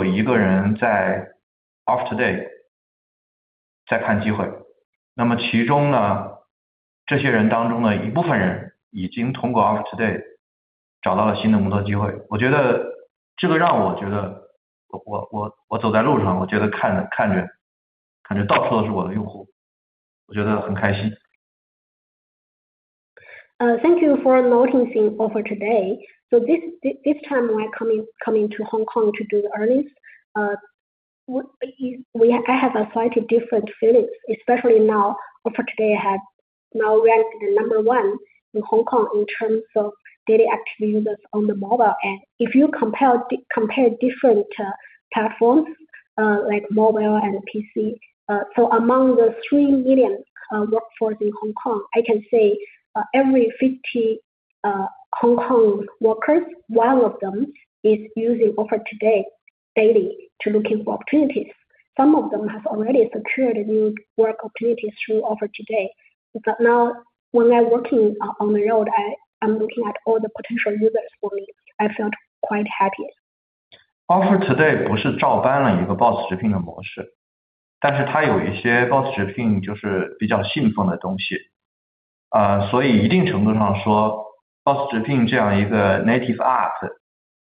for noticing OfferToday. This time why coming to Hong Kong to do the earnings, I have a slightly different feelings, especially now OfferToday has ranked number one in Hong Kong in terms of daily active users on the mobile end. If you compare different platforms like mobile and PC, among the 3 million workforce in Hong Kong, I can say every 50 Hong Kong workers, one of them is using OfferToday daily to looking for opportunities. Some of them have already secured new work opportunities through OfferToday. Now when we are working on the road, I am looking at all the potential users for me, I felt quite happy. OfferToday 不是照搬了一个 BOSS Zhipin 的模式，但是它有一些 BOSS Zhipin 就是比较信奉的东西，所以一定程度上说 BOSS Zhipin 这样一个 native app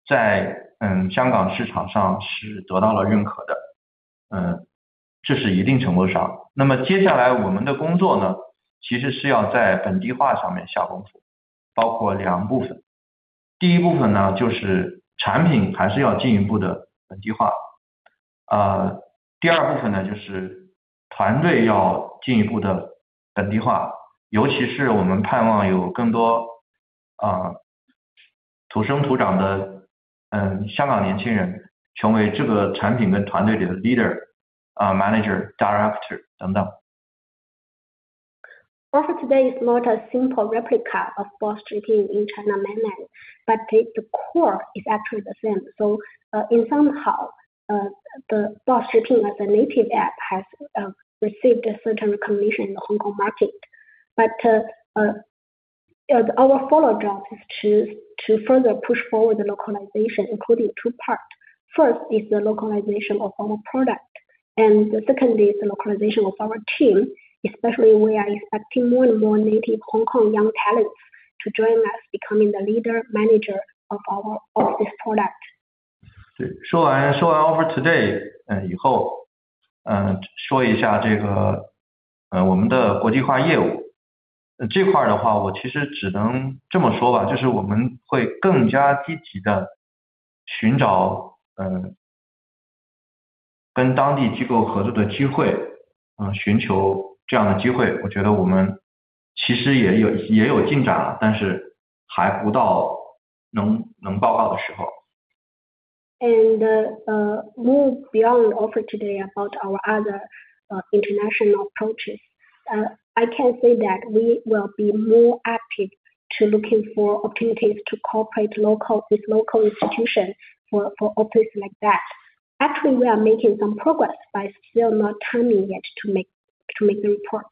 在香港市场上是得到了认可的，这是一定程度上。那么接下来我们的工作呢，其实是要在本地化上面下功夫，包括两部分，第一部分呢，就是产品还是要进一步的本地化。第二部分呢，就是团队要进一步的本地化，尤其是我们盼望有更多土生土长的香港年轻人成为这个产品跟团队里的 leader、manager、director 等等。OfferToday is not a simple replica of BOSS Zhipin in Mainland China, but the core is actually the same. In some way, the BOSS Zhipin as a native app has received a certain recognition in the Hong Kong market. Our follow-up job is to further push forward the localization, including two parts. First is the localization of our product, and the second is the localization of our team. Especially, we are expecting more and more native Hong Kong young talents to join us, becoming the leaders, managers of this product. 说完OfferToday以后，说一下我们的国际化业务。这块的话我其实只能这么说吧，就是我们会更加积极地寻找跟当地机构合作的机会，寻求这样的机会。我觉得我们其实也有进展了，但是还不到能报告的时候。Move beyond OfferToday about our other international approaches. I can say that we will be more active in looking for opportunities to cooperate locally with local institutions for offices like that. Actually, we are making some progress, but it's still not the time yet to make the report.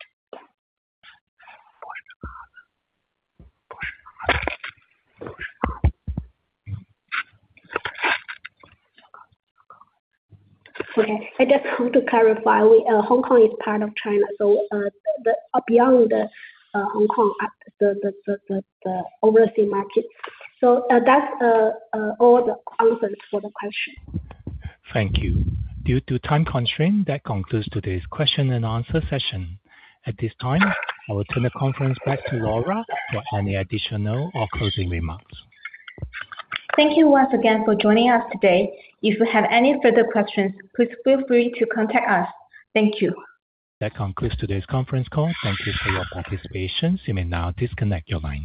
I just want to clarify Hong Kong is part of China, so beyond Hong Kong, the overseas market. That's all the answers for the question. Thank you. Due to time constraint, that concludes today's question and answer session. At this time, I will turn the conference back to Laura for any additional or closing remarks. Thank you once again for joining us today. If you have any further questions, please feel free to contact us. Thank you. That concludes today's conference call. Thank you for your participation. You may now disconnect your line.